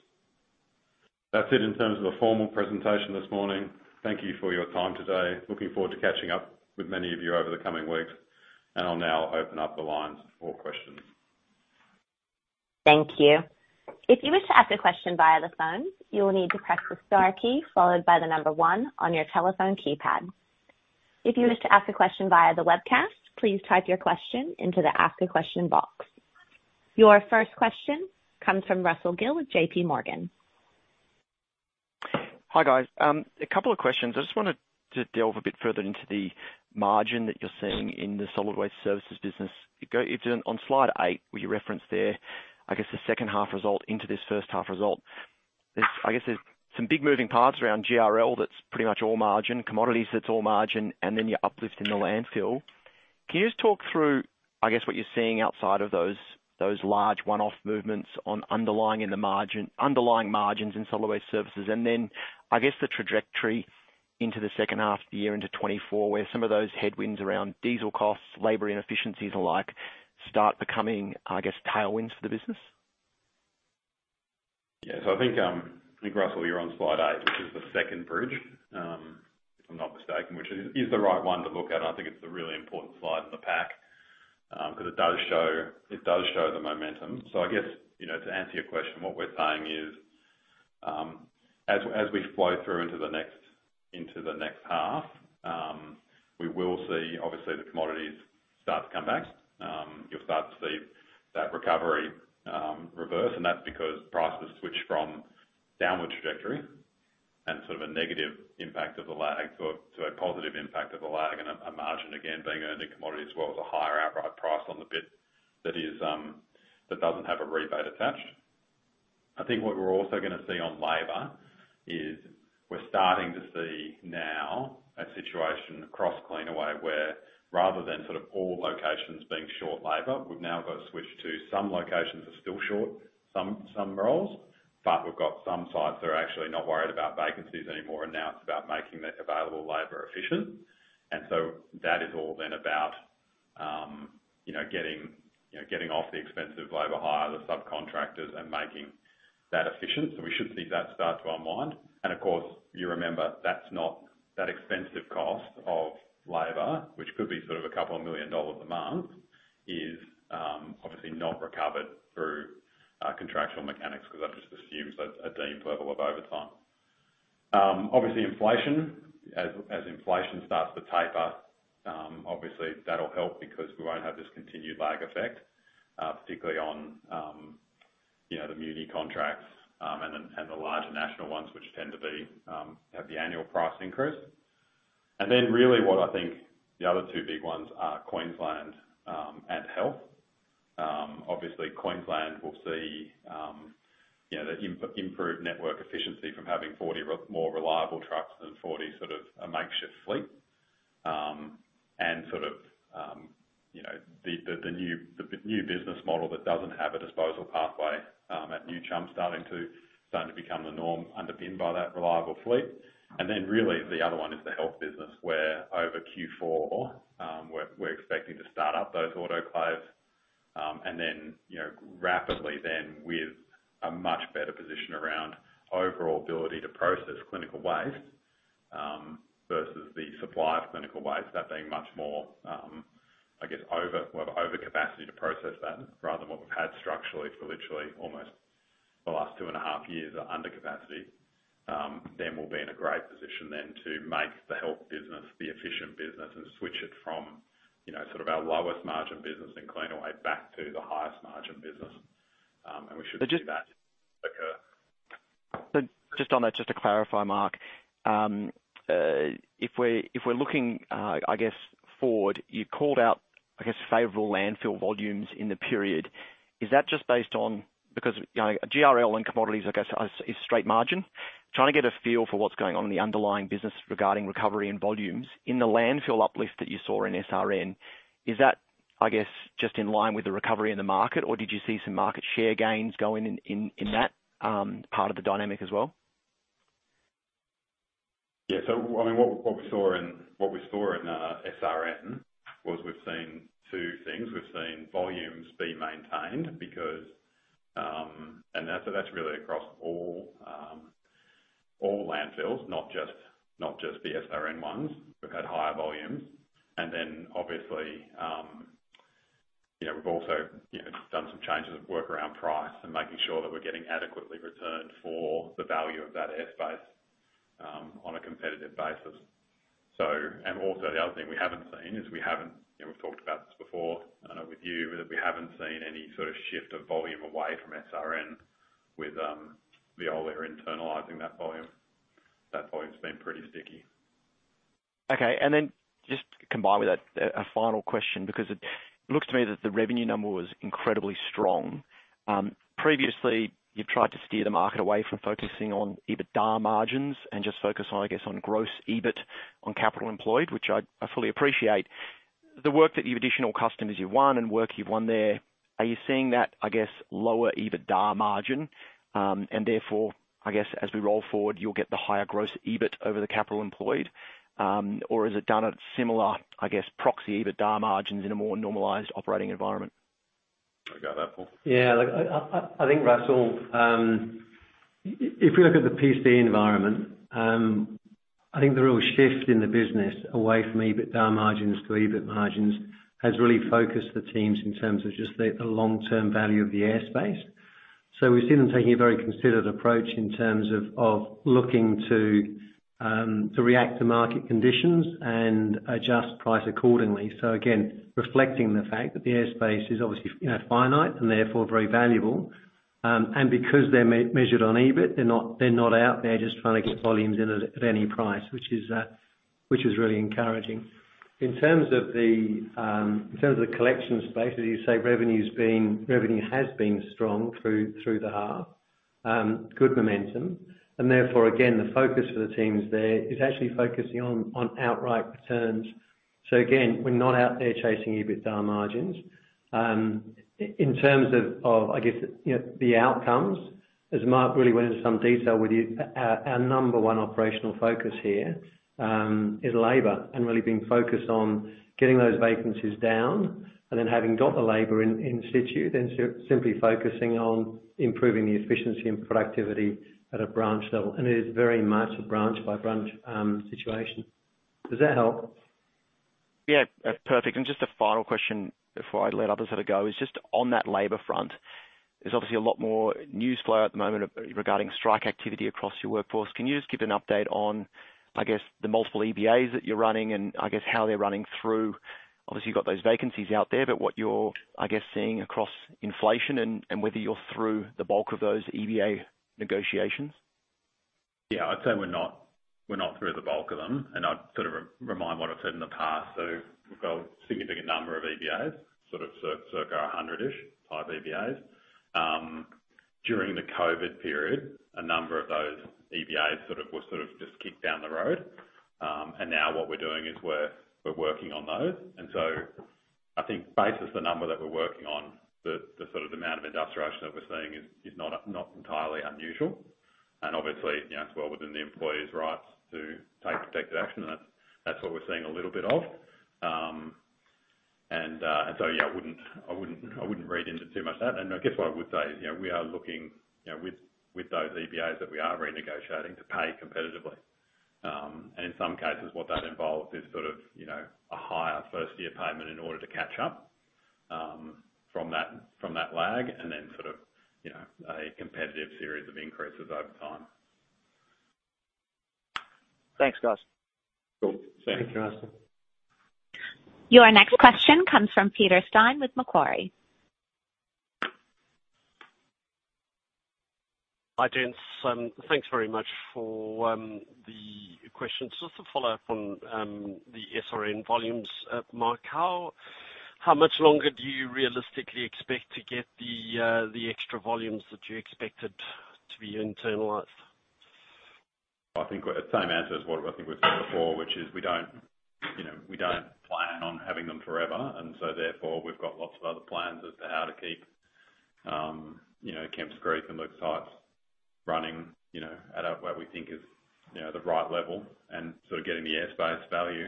That's it in terms of the formal presentation this morning. Thank you for your time today. Looking forward to catching up with many of you over the coming weeks. I'll now open up the lines for questions. Thank you. If you wish to ask a question via the phone, you will need to press the star key followed by one on your telephone keypad. If you wish to ask a question via the webcast, please type your question into the Ask a Question box. Your first question comes from Russell Gill with JPMorgan. Hi, guys. A couple of questions. I just wanted to delve a bit further into the margin that you're seeing in the Solid Waste Services business. If on slide eight, where you reference there, I guess, the second half result into this first half result, there's, I guess, some big moving parts around GRL that's pretty much all margin, commodities that's all margin, and then you're uplifting the landfill. Can you just talk through, I guess, what you're seeing outside of those large one-off movements on underlying margins in Solid Waste Services? I guess the trajectory into the second half of the year into 2024, where some of those headwinds around diesel costs, labor inefficiencies alike start becoming, I guess, tailwinds for the business? Yeah. I think, I think, Russell, you're on slide eight, which is the second bridge, if I'm not mistaken, which is the right one to look at. I think it's a really important slide in the pack, because it does show the momentum. I guess, you know, to answer your question, what we're saying is, as we flow through into the next, into the next half, we will see obviously the commodities start to come back. You'll start to see that recovery reverse, and that's because prices switch from downward trajectory and sort of a negative impact of the lag to a positive impact of the lag and a margin again being earned in commodities as well as a higher outright price on the bit that is, that doesn't have a rebate attached. I think what we're also gonna see on labor is we're starting to see now a situation across Cleanaway where rather than sort of all locations being short labor, we've now got a switch to some locations are still short some roles, but we've got some sites that are actually not worried about vacancies anymore. Now it's about making the available labor efficient. That is all then about, you know, getting, you know, getting off the expensive labor hire, the subcontractors, and making that efficient. We should see that start to unwind. Of course, you remember, that's not. That expensive cost of labor, which could be sort of a couple of million dollars a month, is obviously not recovered through contractual mechanics because that just assumes a deemed level of overtime. Obviously inflation, as inflation starts to taper, obviously that'll help because we won't have this continued lag effect, particularly on, you know, the muni contracts, and then, and the larger national ones, which tend to be, have the annual price increase. Really what I think the other two big ones are Queensland, and health. Obviously Queensland will see, you know, the improved network efficiency from having 40 more reliable trucks than 40 sort of a makeshift fleet. And sort of, you know, the new business model that doesn't have a disposal pathway, at New Chum starting to become the norm underpinned by that reliable fleet. Really the other one is the health business where over Q4, we're expecting to start up those autoclaves, and then, you know, rapidly then with a much better position around overall ability to process clinical waste, versus the supply of clinical waste, that being much more, We'll have overcapacity to process that rather than what we've had structurally for literally almost the last two and a half years are under capacity. Then we'll be in a great position then to make the health business the efficient business and switch it from, you know, sort of our lowest margin business in Cleanaway back to the highest margin business. We should see that occur. Just on that, just to clarify, Mark, if we're looking, I guess forward, you called out, I guess, favorable landfill volumes in the period. Is that just based on... Because, you know, GRL and commodities, I guess, is straight margin. Trying to get a feel for what's going on in the underlying business regarding recovery and volumes. In the landfill uplift that you saw in SRN, is that, I guess, just in line with the recovery in the market, or did you see some market share gains going in that, part of the dynamic as well? I mean, what we saw in SRN was we've seen two things. We've seen volumes be maintained because that's really across all landfills, not just the SRN ones. We've had higher volumes. Obviously, you know, we've also, you know, done some changes of work around price and making sure that we're getting adequately returned for the value of that airspace on a competitive basis. Also the other thing we haven't seen is we haven't, you know, we've talked about this before, I know with you, that we haven't seen any sort of shift of volume away from SRN with Veolia internalizing that volume. That volume's been pretty sticky. Okay. Just combined with that, a final question because it looks to me that the revenue number was incredibly strong. Previously, you've tried to steer the market away from focusing on EBITDA margins and just focus on, I guess, on gross EBIT on capital employed, which I fully appreciate. The work that the additional customers you've won and work you've won there, are you seeing that, I guess, lower EBITDA margin? Therefore, I guess, as we roll forward, you'll get the higher gross EBIT over the capital employed? Or has it done at similar, I guess, proxy EBITDA margins in a more normalized operating environment? I got that, Paul. Look, I think, Russell, if we look at the PC environment, I think the real shift in the business away from EBITDA margins to EBIT margins has really focused the teams in terms of just the long-term value of the airspace. We've seen them taking a very considered approach in terms of looking to react to market conditions and adjust price accordingly. Again, reflecting the fact that the airspace is obviously you know, finite and therefore very valuable. Because they're measured on EBIT, they're not out there just trying to get volumes in at any price, which is really encouraging. In terms of the collection space, as you say, revenue's been... Revenue has been strong through the half, good momentum, and therefore again, the focus for the teams there is actually focusing on outright returns. Again, we're not out there chasing EBITDA margins. In terms of, I guess, you know, the outcomes, as Mark really went into some detail with you, our number one operational focus here is labor and really being focused on getting those vacancies down and then having got the labor in situ, then simply focusing on improving the efficiency and productivity at a branch level. It is very much a branch by branch situation. Does that help? Yeah. Perfect. Just a final question before I let others have a go. Is just on that labor front, there's obviously a lot more news flow at the moment regarding strike activity across your workforce. Can you just give an update on, I guess, the multiple EBAs that you're running and I guess how they're running through? Obviously, you've got those vacancies out there, but what you're, I guess, seeing across inflation and whether you're through the bulk of those EBA negotiations. I'd say we're not through the bulk of them, and I'd sort of remind what I've said in the past. We've got a significant number of EBAs, sort of circa 100-ish type EBAs. During the COVID period, a number of those EBAs were just kicked down the road. Now what we're doing is we're working on those. I think based on the number that we're working on, the sort of amount of industrialization that we're seeing is not entirely unusual. Obviously, you know, it's well within the employees' rights to take protective action, and that's what we're seeing a little bit of. Yeah, I wouldn't read into too much of that. I guess what I would say is, you know, we are looking, you know, with those EBAs that we are renegotiating to pay competitively. In some cases what that involves is sort of, you know, a higher first year payment in order to catch up from that lag and then sort of, you know, a competitive series of increases over time. Thanks, guys. Cool. See ya. Thank you, Russell. Your next question comes from Peter Stein with Macquarie. Hi, Mark. Thanks very much for the question. Just to follow up on the SRN volumes, Mark, how much longer do you realistically expect to get the extra volumes that you expected to be internalized? I think the same answer as what I think we've said before, which is we don't, you know, we don't plan on having them forever, and so therefore, we've got lots of other plans as to how to keep, you know, Kemps Creek and those sites running, you know, at a, where we think is, you know, the right level and sort of getting the airspace value,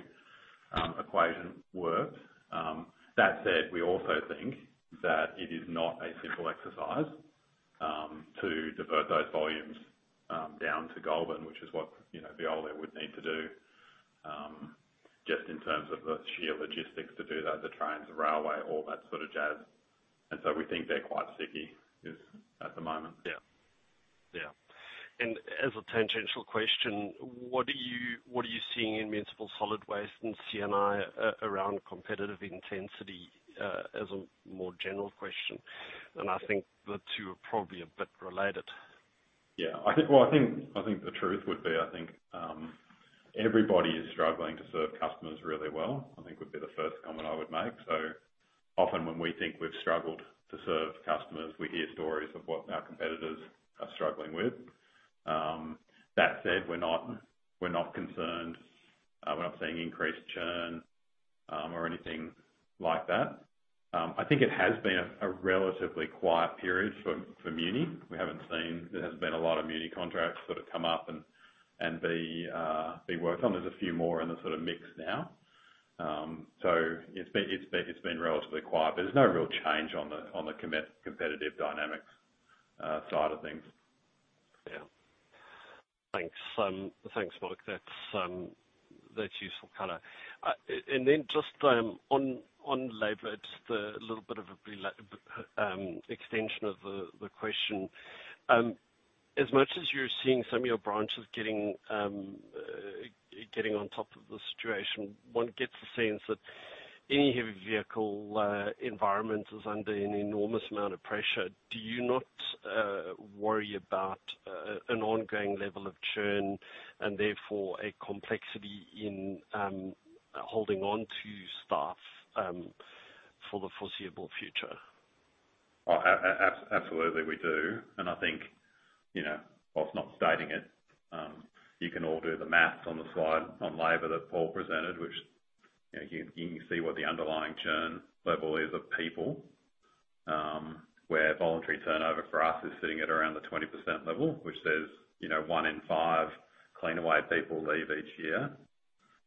equation worked. That said, we also think that it is not a simple exercise, to divert those volumes, down to Goulburn, which is what, you know, Veolia would need to do, just in terms of the sheer logistics to do that, the trains, the railway, all that sort of jazz. We think they're quite sticky just at the moment. Yeah. Yeah. As a tangential question, what are you, what are you seeing in municipal solid waste and C&I around competitive intensity, as a more general question? I think the two are probably a bit related. Yeah. Well, I think the truth would be, everybody is struggling to serve customers really well, I think would be the first comment I would make. Often when we think we've struggled to serve customers, we hear stories of what our competitors are struggling with. That said, we're not concerned. We're not seeing increased churn or anything like that. I think it has been a relatively quiet period for muni. There hasn't been a lot of muni contracts that have come up and be worked on. There's a few more in the sort of mix now. It's been relatively quiet, but there's no real change on the competitive dynamics side of things. Yeah. Thanks, Mark. That's useful color. And then just on labor, just a little bit of an extension of the question, as much as you're seeing some of your branches getting on top of the situation, one gets the sense that any heavy vehicle environment is under an enormous amount of pressure. Do you not worry about an ongoing level of churn and therefore a complexity in holding on to staff for the foreseeable future? Oh, absolutely we do. I think, you know, whilst not stating it, you can all do the maths on the slide on labor that Paul presented, which, you know, you can see what the underlying churn level is of people, where voluntary turnover for us is sitting at around the 20% level, which says, you know, one in five Cleanaway people leave each year.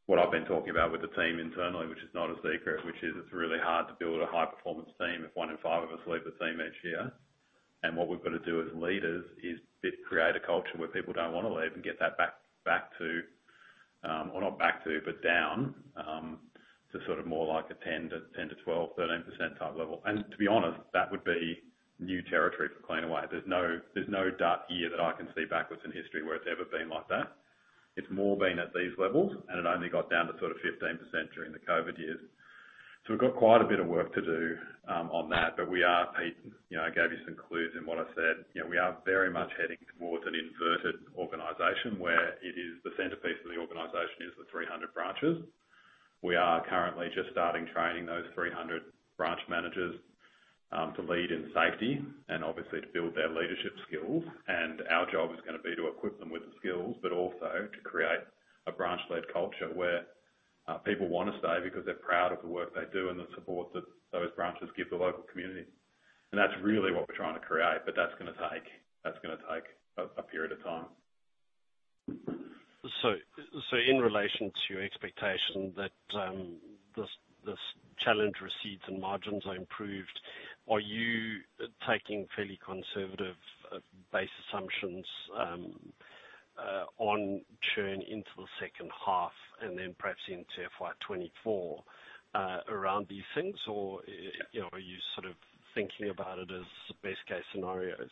What I've been talking about with the team internally, which is not a secret, which is it's really hard to build a high-performance team if one in five of us leave the team each year. What we've got to do as leaders is build, create a culture where people don't wanna leave and get that back to, or not back to, but down to sort of more like a 10% to 12-13% type level. To be honest, that would be new territory for Cleanaway. There's no dark year that I can see backwards in history where it's ever been like that. It's more been at these levels, and it only got down to sort of 15% during the COVID years. We've got quite a bit of work to do on that. We are, Pete, you know, I gave you some clues in what I said. You know, we are very much heading towards an inverted organization where it is the centerpiece of the organization is the 300 branches. We are currently just starting training those 300 branch managers to lead in safety and obviously to build their leadership skills. Our job is gonna be to equip them with the skills, but also to create a branch-led culture where people wanna stay because they're proud of the work they do and the support that those branches give the local community. That's really what we're trying to create. That's gonna take a period of time. In relation to your expectation that this challenge recedes and margins are improved, are you taking fairly conservative, base assumptions, on churn into the second half and then perhaps into FY 2024, around these things? Or, you know, are you sort of thinking about it as best case scenarios?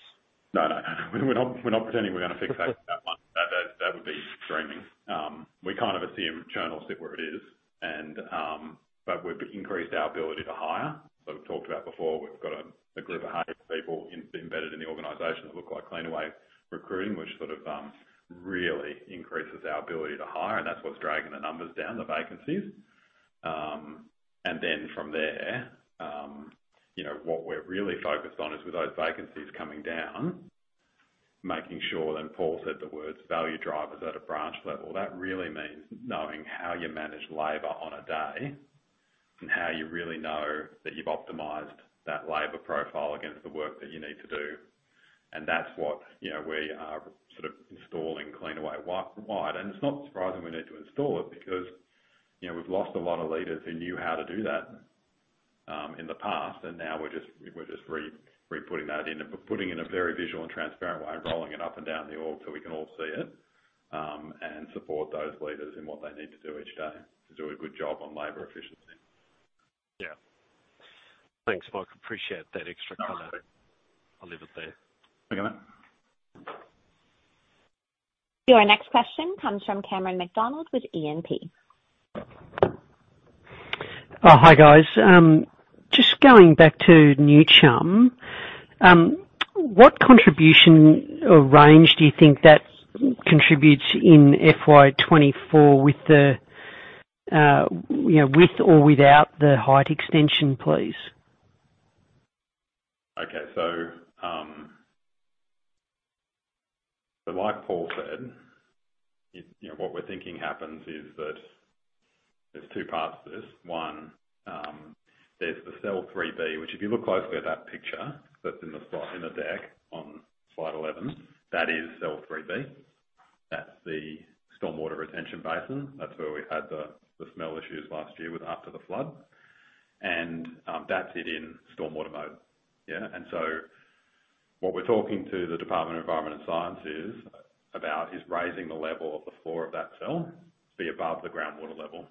No, no. We're not, we're not pretending we're gonna fix that one. That would be dreaming. We kind of assume churn will sit where it is and, we've increased our ability to hire. We've talked about before, we've got a group of hired people embedded in the organization that look like Cleanaway recruiting, which sort of really increases our ability to hire, and that's what's dragging the numbers down, the vacancies. From there, you know, what we're really focused on is with those vacancies coming down, making sure that Paul said the words value drivers at a branch level. That really means knowing how you manage labor on a day and how you really know that you've optimized that labor profile against the work that you need to do. That's what, you know, we are sort of installing Cleanaway wide. It's not surprising we need to install it because, you know, we've lost a lot of leaders who knew how to do that, in the past, and now we're just re-re-putting that in. Putting in a very visual and transparent way and rolling it up and down the org so we can all see it, and support those leaders in what they need to do each day to do a good job on labor efficiency. Yeah. Thanks, Mike. Appreciate that extra color. No worries. I'll leave it there. Thank you, mate. Your next question comes from Cameron McDonald with E&P. Hi, guys. Just going back to New Chum. What contribution or range do you think that contributes in FY 2024 with the, you know, with or without the height extension, please? Okay. Like Paul said, you know, what we're thinking happens is that there's 2 parts to this. One, there's the cell 3B, which if you look closely at that picture that's in the slide, in the deck on slide 11, that is cell 3B. That's the stormwater retention basin. That's where we had the smell issues last year after the flood. That's it in stormwater mode. What we're talking to the Department of Environment and Science is, about is raising the level of the floor of that cell to be above the groundwater level.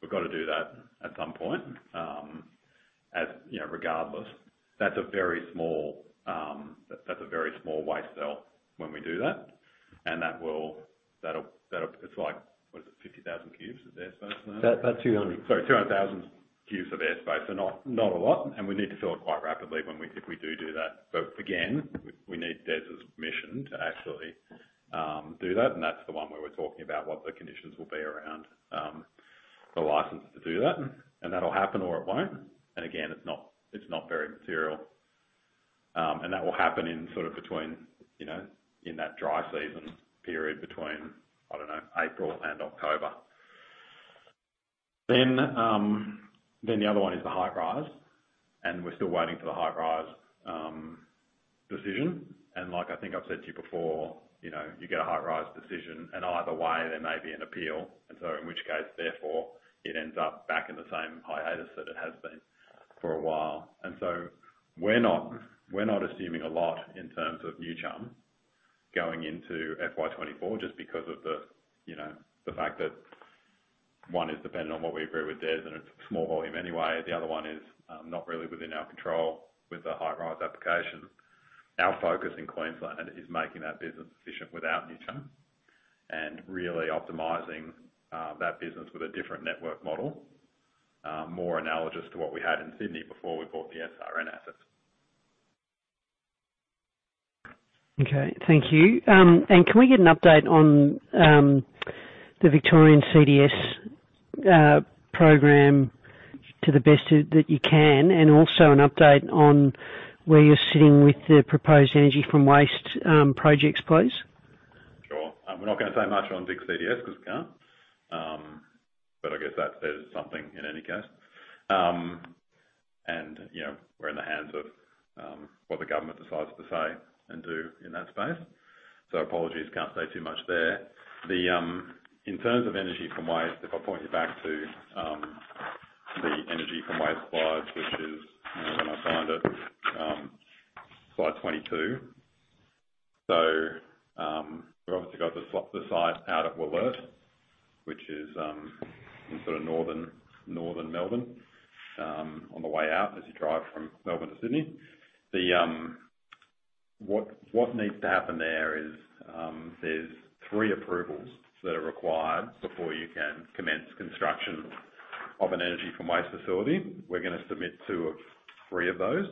We've gotta do that at some point, as, you know, regardless. That's a very small, that's a very small waste cell when we do that. That'll it's like, what is it, 50,000 cubes of air space in there? That, that's AUD 200. Sorry, 200,000 cubes of air space. Not a lot. We need to fill it quite rapidly when we if we do that. Again, we need DES's permission to actually do that, and that's the one where we're talking about what the conditions will be around the license to do that. That'll happen or it won't. Again, it's not very material. That will happen in sort of between, you know, in that dry season period between, I don't know, April and October. The other one is the Hy-Rise, and we're still waiting for the Hy-Rise decision. Like I think I've said to you before, you know, you get a Hy-Rise decision, and either way, there may be an appeal, and so in which case, therefore, it ends up back in the same hiatus that it has been for a while. We're not assuming a lot in terms of New Chum going into FY 2024 just because of the, you know, the fact that one is dependent on what we agree with DES, and it's small volume anyway. The other one is not really within our control with the Hy-Rise application. Our focus in Queensland is making that business efficient without New Chum and really optimizing that business with a different network model, more analogous to what we had in Sydney before we bought the SRN assets. Okay. Thank you. Can we get an update on the Victorian CDS program to the best that you can, and also an update on where you're sitting with the proposed energy from waste projects, please? Sure. We're not gonna say much on CDS Vic because we can't. I guess that says something in any case. You know, we're in the hands of what the government decides to say and do in that space. Apologies, can't say too much there. In terms of energy from waste, if I point you back to the energy from waste slides, which is, you know, when I find it, slide 22. We've obviously got the site out at Wollert, which is in sort of northern Melbourne, on the way out as you drive from Melbourne to Sydney. What needs to happen there is there's three approvals that are required before you can commence construction of an energy from waste facility. We're gonna submit two of three of those.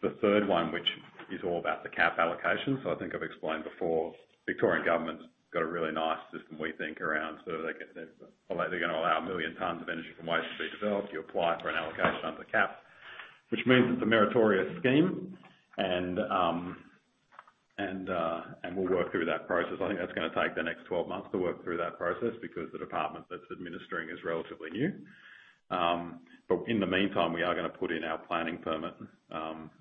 The third one, which is all about the cap allocation. I think I've explained before, Victorian Government's got a really nice system, we think, around sort of like a. Although they're gonna allow 1 million tons of energy from waste to be developed, you apply for an allocation under the cap, which means it's a meritorious scheme. We'll work through that process. I think that's gonna take the next 12 months to work through that process because the department that's administering is relatively new. In the meantime, we are gonna put in our planning permit,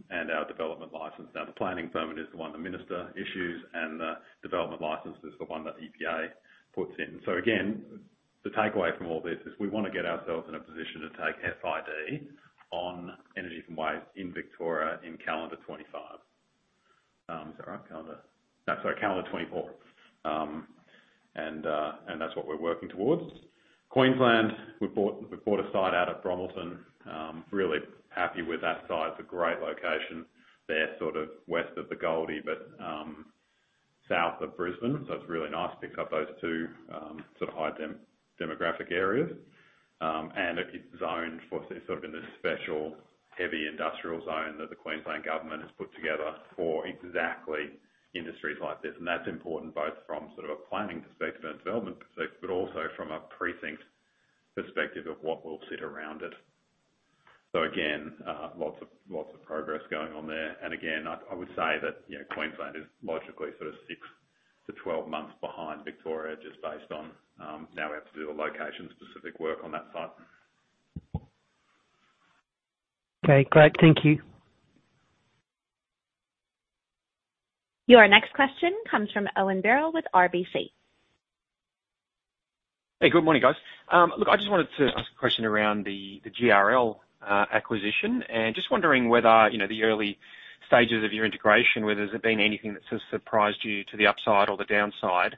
and our development license. The planning permit is the one the minister issues, and the development license is the one that EPA puts in. Again, the takeaway from all this is we want to get ourselves in a position to take FID on energy from waste in Victoria in calendar 25. Is that right? Calendar? No, sorry, calendar 24. That's what we're working towards. Queensland, we bought a site out at Bromelton. Really happy with that site. It's a great location there, sort of West of the Goldie, but South of Brisbane. It's really nice. Picks up those two, sort of high demographic areas. It's zoned for. It's sort of in this special heavy industrial zone that the Queensland Government has put together for exactly industries like this. That's important both from sort of a planning perspective and a development perspective, but also from a precinct perspective of what will sit around it. Again, lots of progress going on there. Again, I would say that, you know, Queensland is logically sort of six to 12 months behind Victoria just based on, now we have to do the location-specific work on that site. Okay, great. Thank you. Your next question comes from Owen Birrell with RBC. Hey, good morning, guys. Look, I just wanted to ask a question around the GRL acquisition. Just wondering whether, you know, the early stages of your integration, whether there's been anything that's just surprised you to the upside or the downside.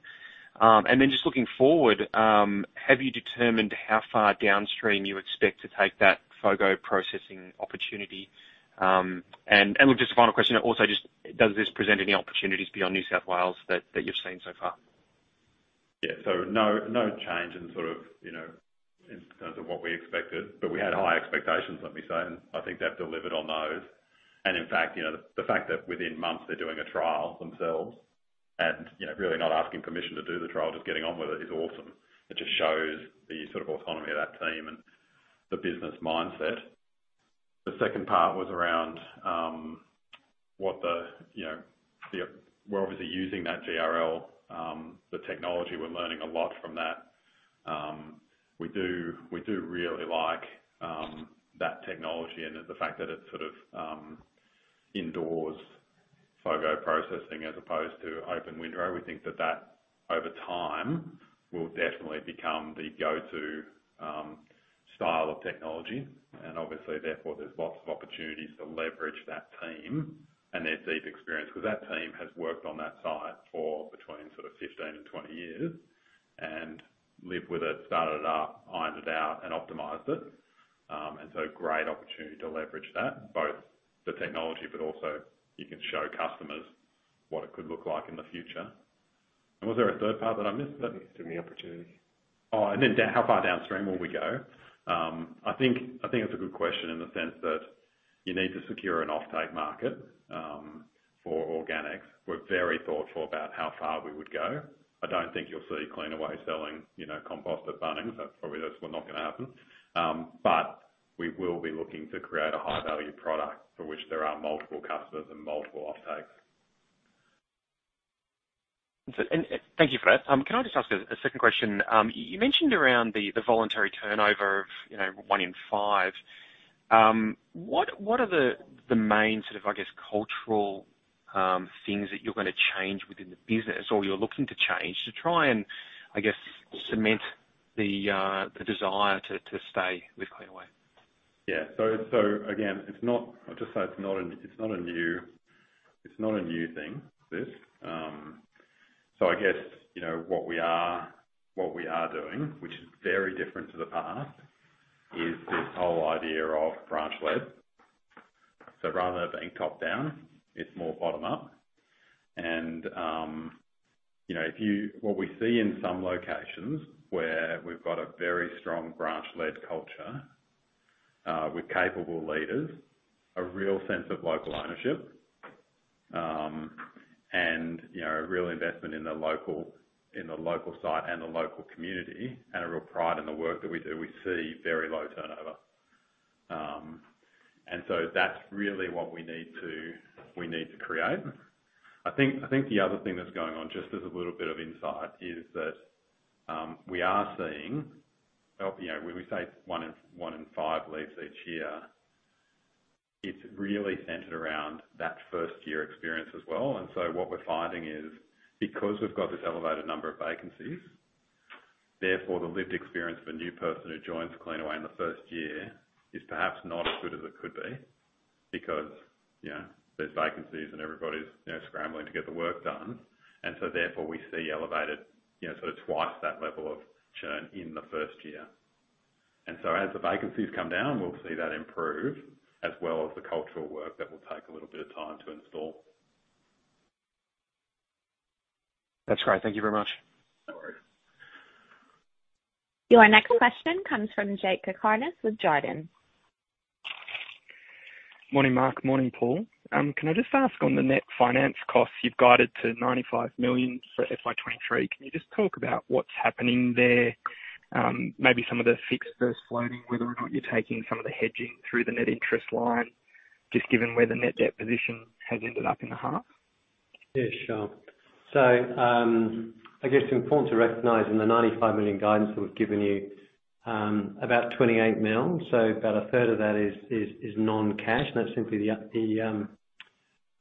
Just looking forward, have you determined how far downstream you expect to take that FOGO processing opportunity? Look, just a final question also, just does this present any opportunities beyond New South Wales that you've seen so far? No, no change in sort of, you know, in terms of what we expected, but we had high expectations, let me say, and I think they've delivered on those. In fact, you know, the fact that within months they're doing a trial themselves and, you know, really not asking permission to do the trial, just getting on with it is awesome. It just shows the sort of autonomy of that team and the business mindset. The second part was around what the, you know, we're obviously using that GRL, the technology. We're learning a lot from that. We do really like that technology and the fact that it's sort of, indoors FOGO processing as opposed to open window. We think that that, over time, will definitely become the go-to style of technology. Obviously, therefore, there's lots of opportunities to leverage that team and their deep experience, 'cause that team has worked on that site for between sort of 15 and 20 years and lived with it, started it up, ironed it out and optimized it. So great opportunity to leverage that, both the technology, but also you can show customers what it could look like in the future. Was there a third part that I missed then? The opportunity. How far downstream will we go? I think that's a good question in the sense that you need to secure an offtake market for organics. We're very thoughtful about how far we would go. I don't think you'll see Cleanaway selling, you know, compost at Bunnings. That's not gonna happen. We will be looking to create a high value product for which there are multiple customers and multiple offtakes. Thank you for that. Can I just ask a second question? You mentioned around the voluntary turnover of, you know, one in five. What are the main sort of, I guess, cultural things that you're gonna change within the business or you're looking to change to try and, I guess, cement the desire to stay with Cleanaway? Yeah. Again, I'll just say it's not a new thing, this. I guess, you know, what we are doing, which is very different to the past, is this whole idea of branch led. Rather than being top down, it's more bottom up. You know, what we see in some locations where we've got a very strong branch led culture, with capable leaders, a real sense of local ownership, and, you know, a real investment in the local site and the local community and a real pride in the work that we do, we see very low turnover. That's really what we need to create. I think the other thing that's going on, just as a little bit of insight, is that, we are seeing, you know, when we say one in five leaves each year, it's really centered around that first year experience as well. What we're finding is, because we've got this elevated number of vacancies, therefore the lived experience of a new person who joins Cleanaway in the first year is perhaps not as good as it could be because, you know, there's vacancies and everybody's, you know, scrambling to get the work done. Therefore, we see elevated, you know, sort of 2x that level of churn in the first year. As the vacancies come down, we'll see that improve as well as the cultural work that will take a little bit of time to install. That's great. Thank you very much. No worries. Your next question comes from Jakob Cakarnis with Jarden. Morning, Mark. Morning, Paul. Can I just ask on the net finance costs, you've guided to 95 million for FY 2023. Can you just talk about what's happening there? Maybe some of the fixed versus floating, whether or not you're taking some of the hedging through the net interest line, just given where the net debt position has ended up in the half. Yeah, sure. I guess it's important to recognize in the 95 million guidance that we've given you, about 28 million, so about a third of that is non-cash. That's simply the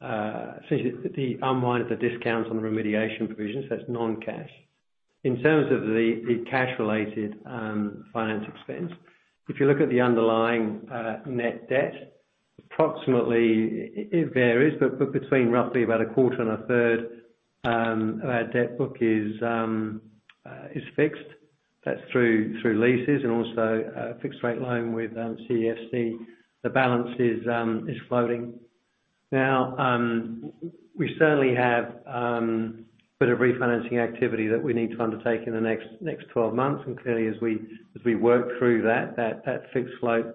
essentially the unwind of the discounts on the remediation provisions. That's non-cash. In terms of the cash related finance expense, if you look at the underlying net debt, approximately it varies, but between roughly about a quarter and a third of our debt book is fixed. That's through leases and also a fixed rate loan with CEFC. The balance is floating. We certainly have a bit of refinancing activity that we need to undertake in the next 12 months. Clearly as we work through that fixed float,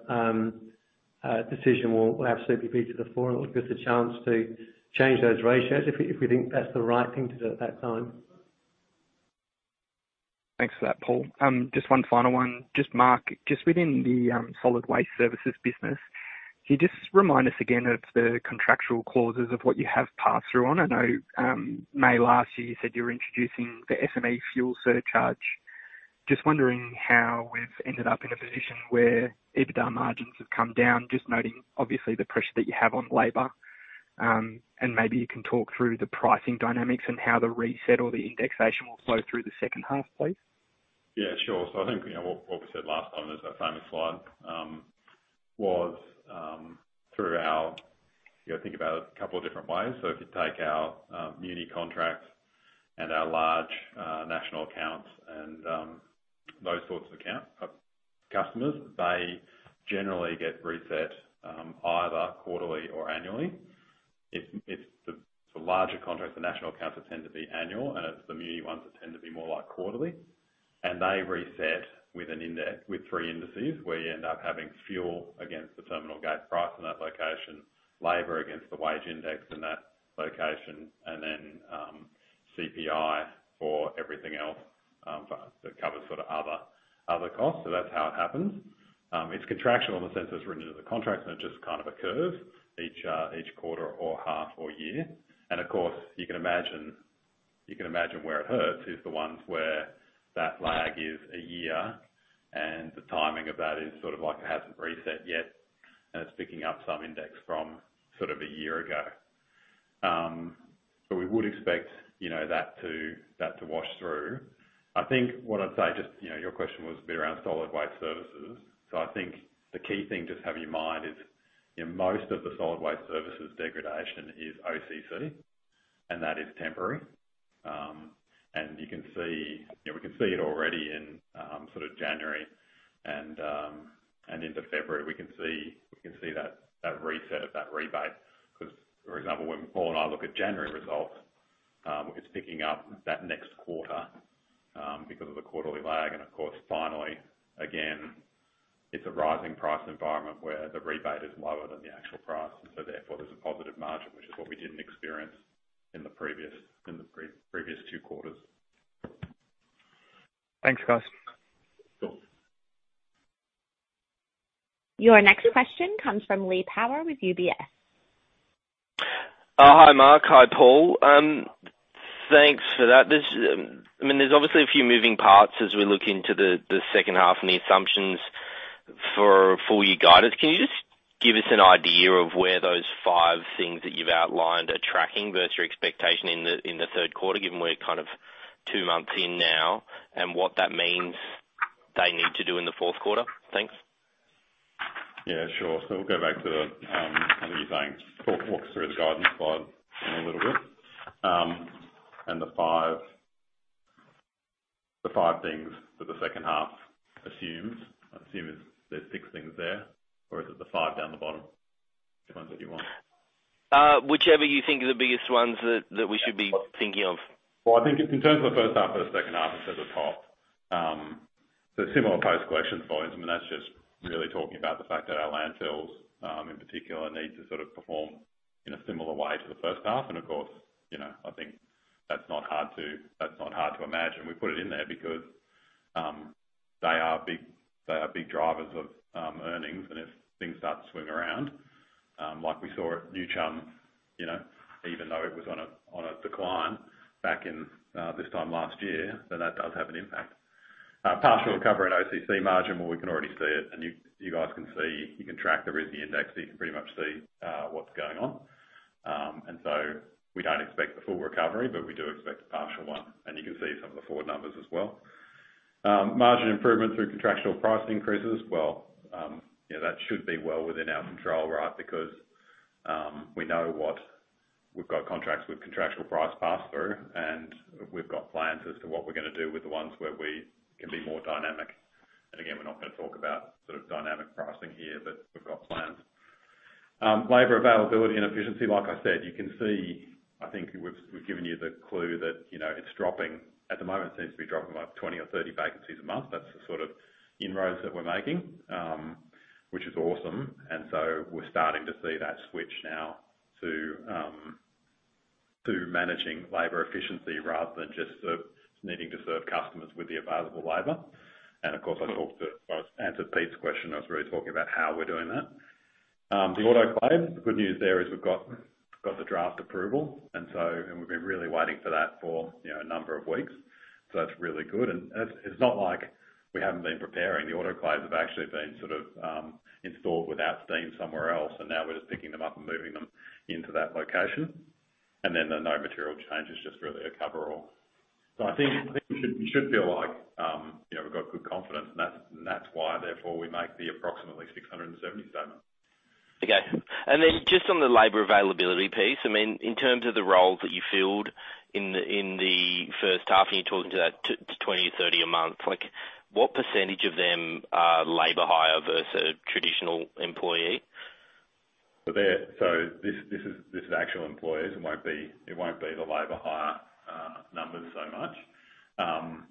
decision will absolutely be to the fore, and it'll give us a chance to change those ratios if we think that's the right thing to do at that time. Thanks for that, Paul. Just one final one. Just Mark, just within the Solid Waste Services business, can you just remind us again of the contractual clauses of what you have passed through on? I know May last year, you said you were introducing the SME fuel surcharge. Just wondering how we've ended up in a position where EBITDA margins have come down, just noting obviously the pressure that you have on labor, and maybe you can talk through the pricing dynamics and how the reset or the indexation will flow through the second half, please. Sure. I think, you know, what we said last time, there's that famous slide, was through our. You know, think about it a couple of different ways. If you take our muni contracts and our large national accounts. Those sorts of customers, they generally get reset either quarterly or annually. It's the larger contracts, the national accounts that tend to be annual, and it's the mini ones that tend to be more like quarterly. They reset with three indices, where you end up having fuel against the terminal gate price in that location, labor against the wage index in that location, and then CPI for everything else that covers sort of other costs. That's how it happens. It's contractual in the sense it's written into the contract and it just kind of occurs each quarter or half or year. Of course, you can imagine where it hurts is the ones where that lag is a year and the timing of that is sort of like it hasn't reset yet, and it's picking up some index from sort of a year ago. We would expect, you know, that to wash through. I think what I'd say just, you know, your question was a bit around Solid Waste Services. I think the key thing just have in your mind is, you know, most of the Solid Waste Services degradation is OCC, and that is temporary. You know, we can see it already in sort of January and into February. We can see that reset of that rebate because, for example, when Paul and I look at January results, it's picking up that next quarter, because of the quarterly lag. Of course, finally, again, it's a rising price environment where the rebate is lower than the actual price and so therefore there's a positive margin, which is what we didn't experience in the previous, in the pre-previous two quarters. Thanks, guys. Sure. Your next question comes from Lee Power with UBS. Hi, Mark. Hi, Paul. Thanks for that. This, I mean, there's obviously a few moving parts as we look into the second half and the assumptions for full year guidance. Can you just give us an idea of where those five things that you've outlined are tracking versus your expectation in the, in the third quarter, given we're kind of two months in now, and what that means they need to do in the fourth quarter? Thanks. Yeah, sure. We'll go back to, I think you're saying Paul walked through the guidance slide a little bit. The 5 things that the second half assumes. I assume there's six things there, or is it the five down the bottom? Depends what you want. Whichever you think are the biggest ones that we should be thinking of. Well, I think in terms of the first half versus second half, it's at the top. Similar post-collection volumes, I mean, that's just really talking about the fact that our landfills, in particular, need to sort of perform in a similar way to the first half. Of course, you know, I think that's not hard to imagine. We put it in there because they are big drivers of earnings and if things start to swing around, like we saw at New Chum, you know, even though it was on a decline back in this time last year, so that does have an impact. Partial recovery in OCC margin, well, we can already see it. You guys can see, you can track the RISI index, so you can pretty much see what's going on. We don't expect the full recovery, but we do expect a partial one. You can see some of the forward numbers as well. Margin improvement through contractual price increases. Well, you know, that should be well within our control, right? Because, we know what we've got contracts with contractual price pass-through, and we've got plans as to what we're gonna do with the ones where we can be more dynamic. Again, we're not gonna talk about sort of dynamic pricing here, but we've got plans. Labor availability and efficiency, like I said, you can see, I think we've given you the clue that, you know, it's dropping. At the moment, it seems to be dropping about 20 or 30 vacancies a month. That's the sort of inroads that we're making, which is awesome. We're starting to see that switch now to managing labor efficiency rather than just needing to serve customers with the available labor. When I answered Pete's question, I was really talking about how we're doing that. The autoclave, the good news there is we've got the draft approval, we've been really waiting for that for, you know, a number of weeks. That's really good. It's not like we haven't been preparing. The autoclaves have actually been sort of installed without steam somewhere else and now we're just picking them up and moving them into that location. The no material changes, just really a coverall. I think you should feel like, you know, we've got good confidence and that's why therefore we make the approximately 670 statement. Okay. Just on the labor availability piece, I mean, in terms of the roles that you filled in the, in the first half, and you're talking to that 20 or 30 a month, like, what percent of them are labor hire versus a traditional employee? This is actual employees. It won't be, it won't be the labor hire numbers so much.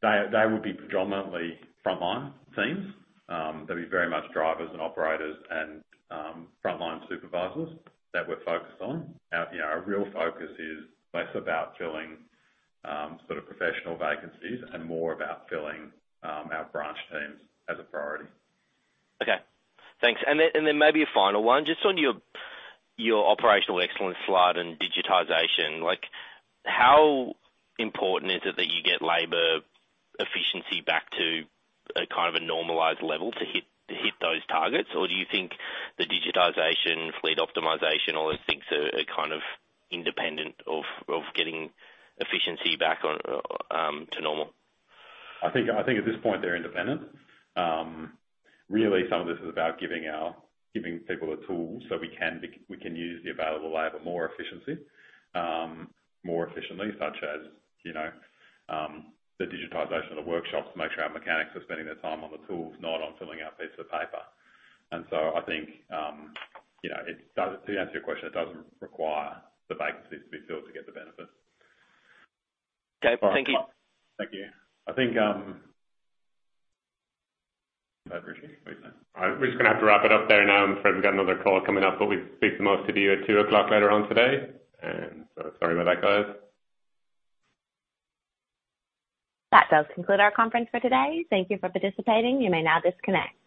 They, they would be predominantly frontline teams. They'll be very much drivers and operators and frontline supervisors that we're focused on. Our, you know, our real focus is less about filling sort of professional vacancies and more about filling our branch teams as a priority. Okay. Thanks. Then, maybe a final one. Just on your operational excellence slide and digitization, like, how important is it that you get labor efficiency back to a kind of a normalized level to hit those targets? Or do you think the digitization, fleet optimization, all those things are kind of independent of getting efficiency back on to normal? I think at this point they're independent. really some of this is about giving people the tools so we can use the available labor more efficiency, more efficiently, such as, you know, the digitization of the workshops to make sure our mechanics are spending their time on the tools, not on filling out pieces of paper. I think, you know, it does... To answer your question, it doesn't require the vacancies to be filled to get the benefit. Okay. Thank you. Thank you. I think,... All right. We're just gonna have to wrap it up there now. I'm afraid we've got another call coming up. We speak to most of you at 2:00 P.M. later on today. Sorry about that, guys. That does conclude our conference for today. Thank you for participating. You may now disconnect.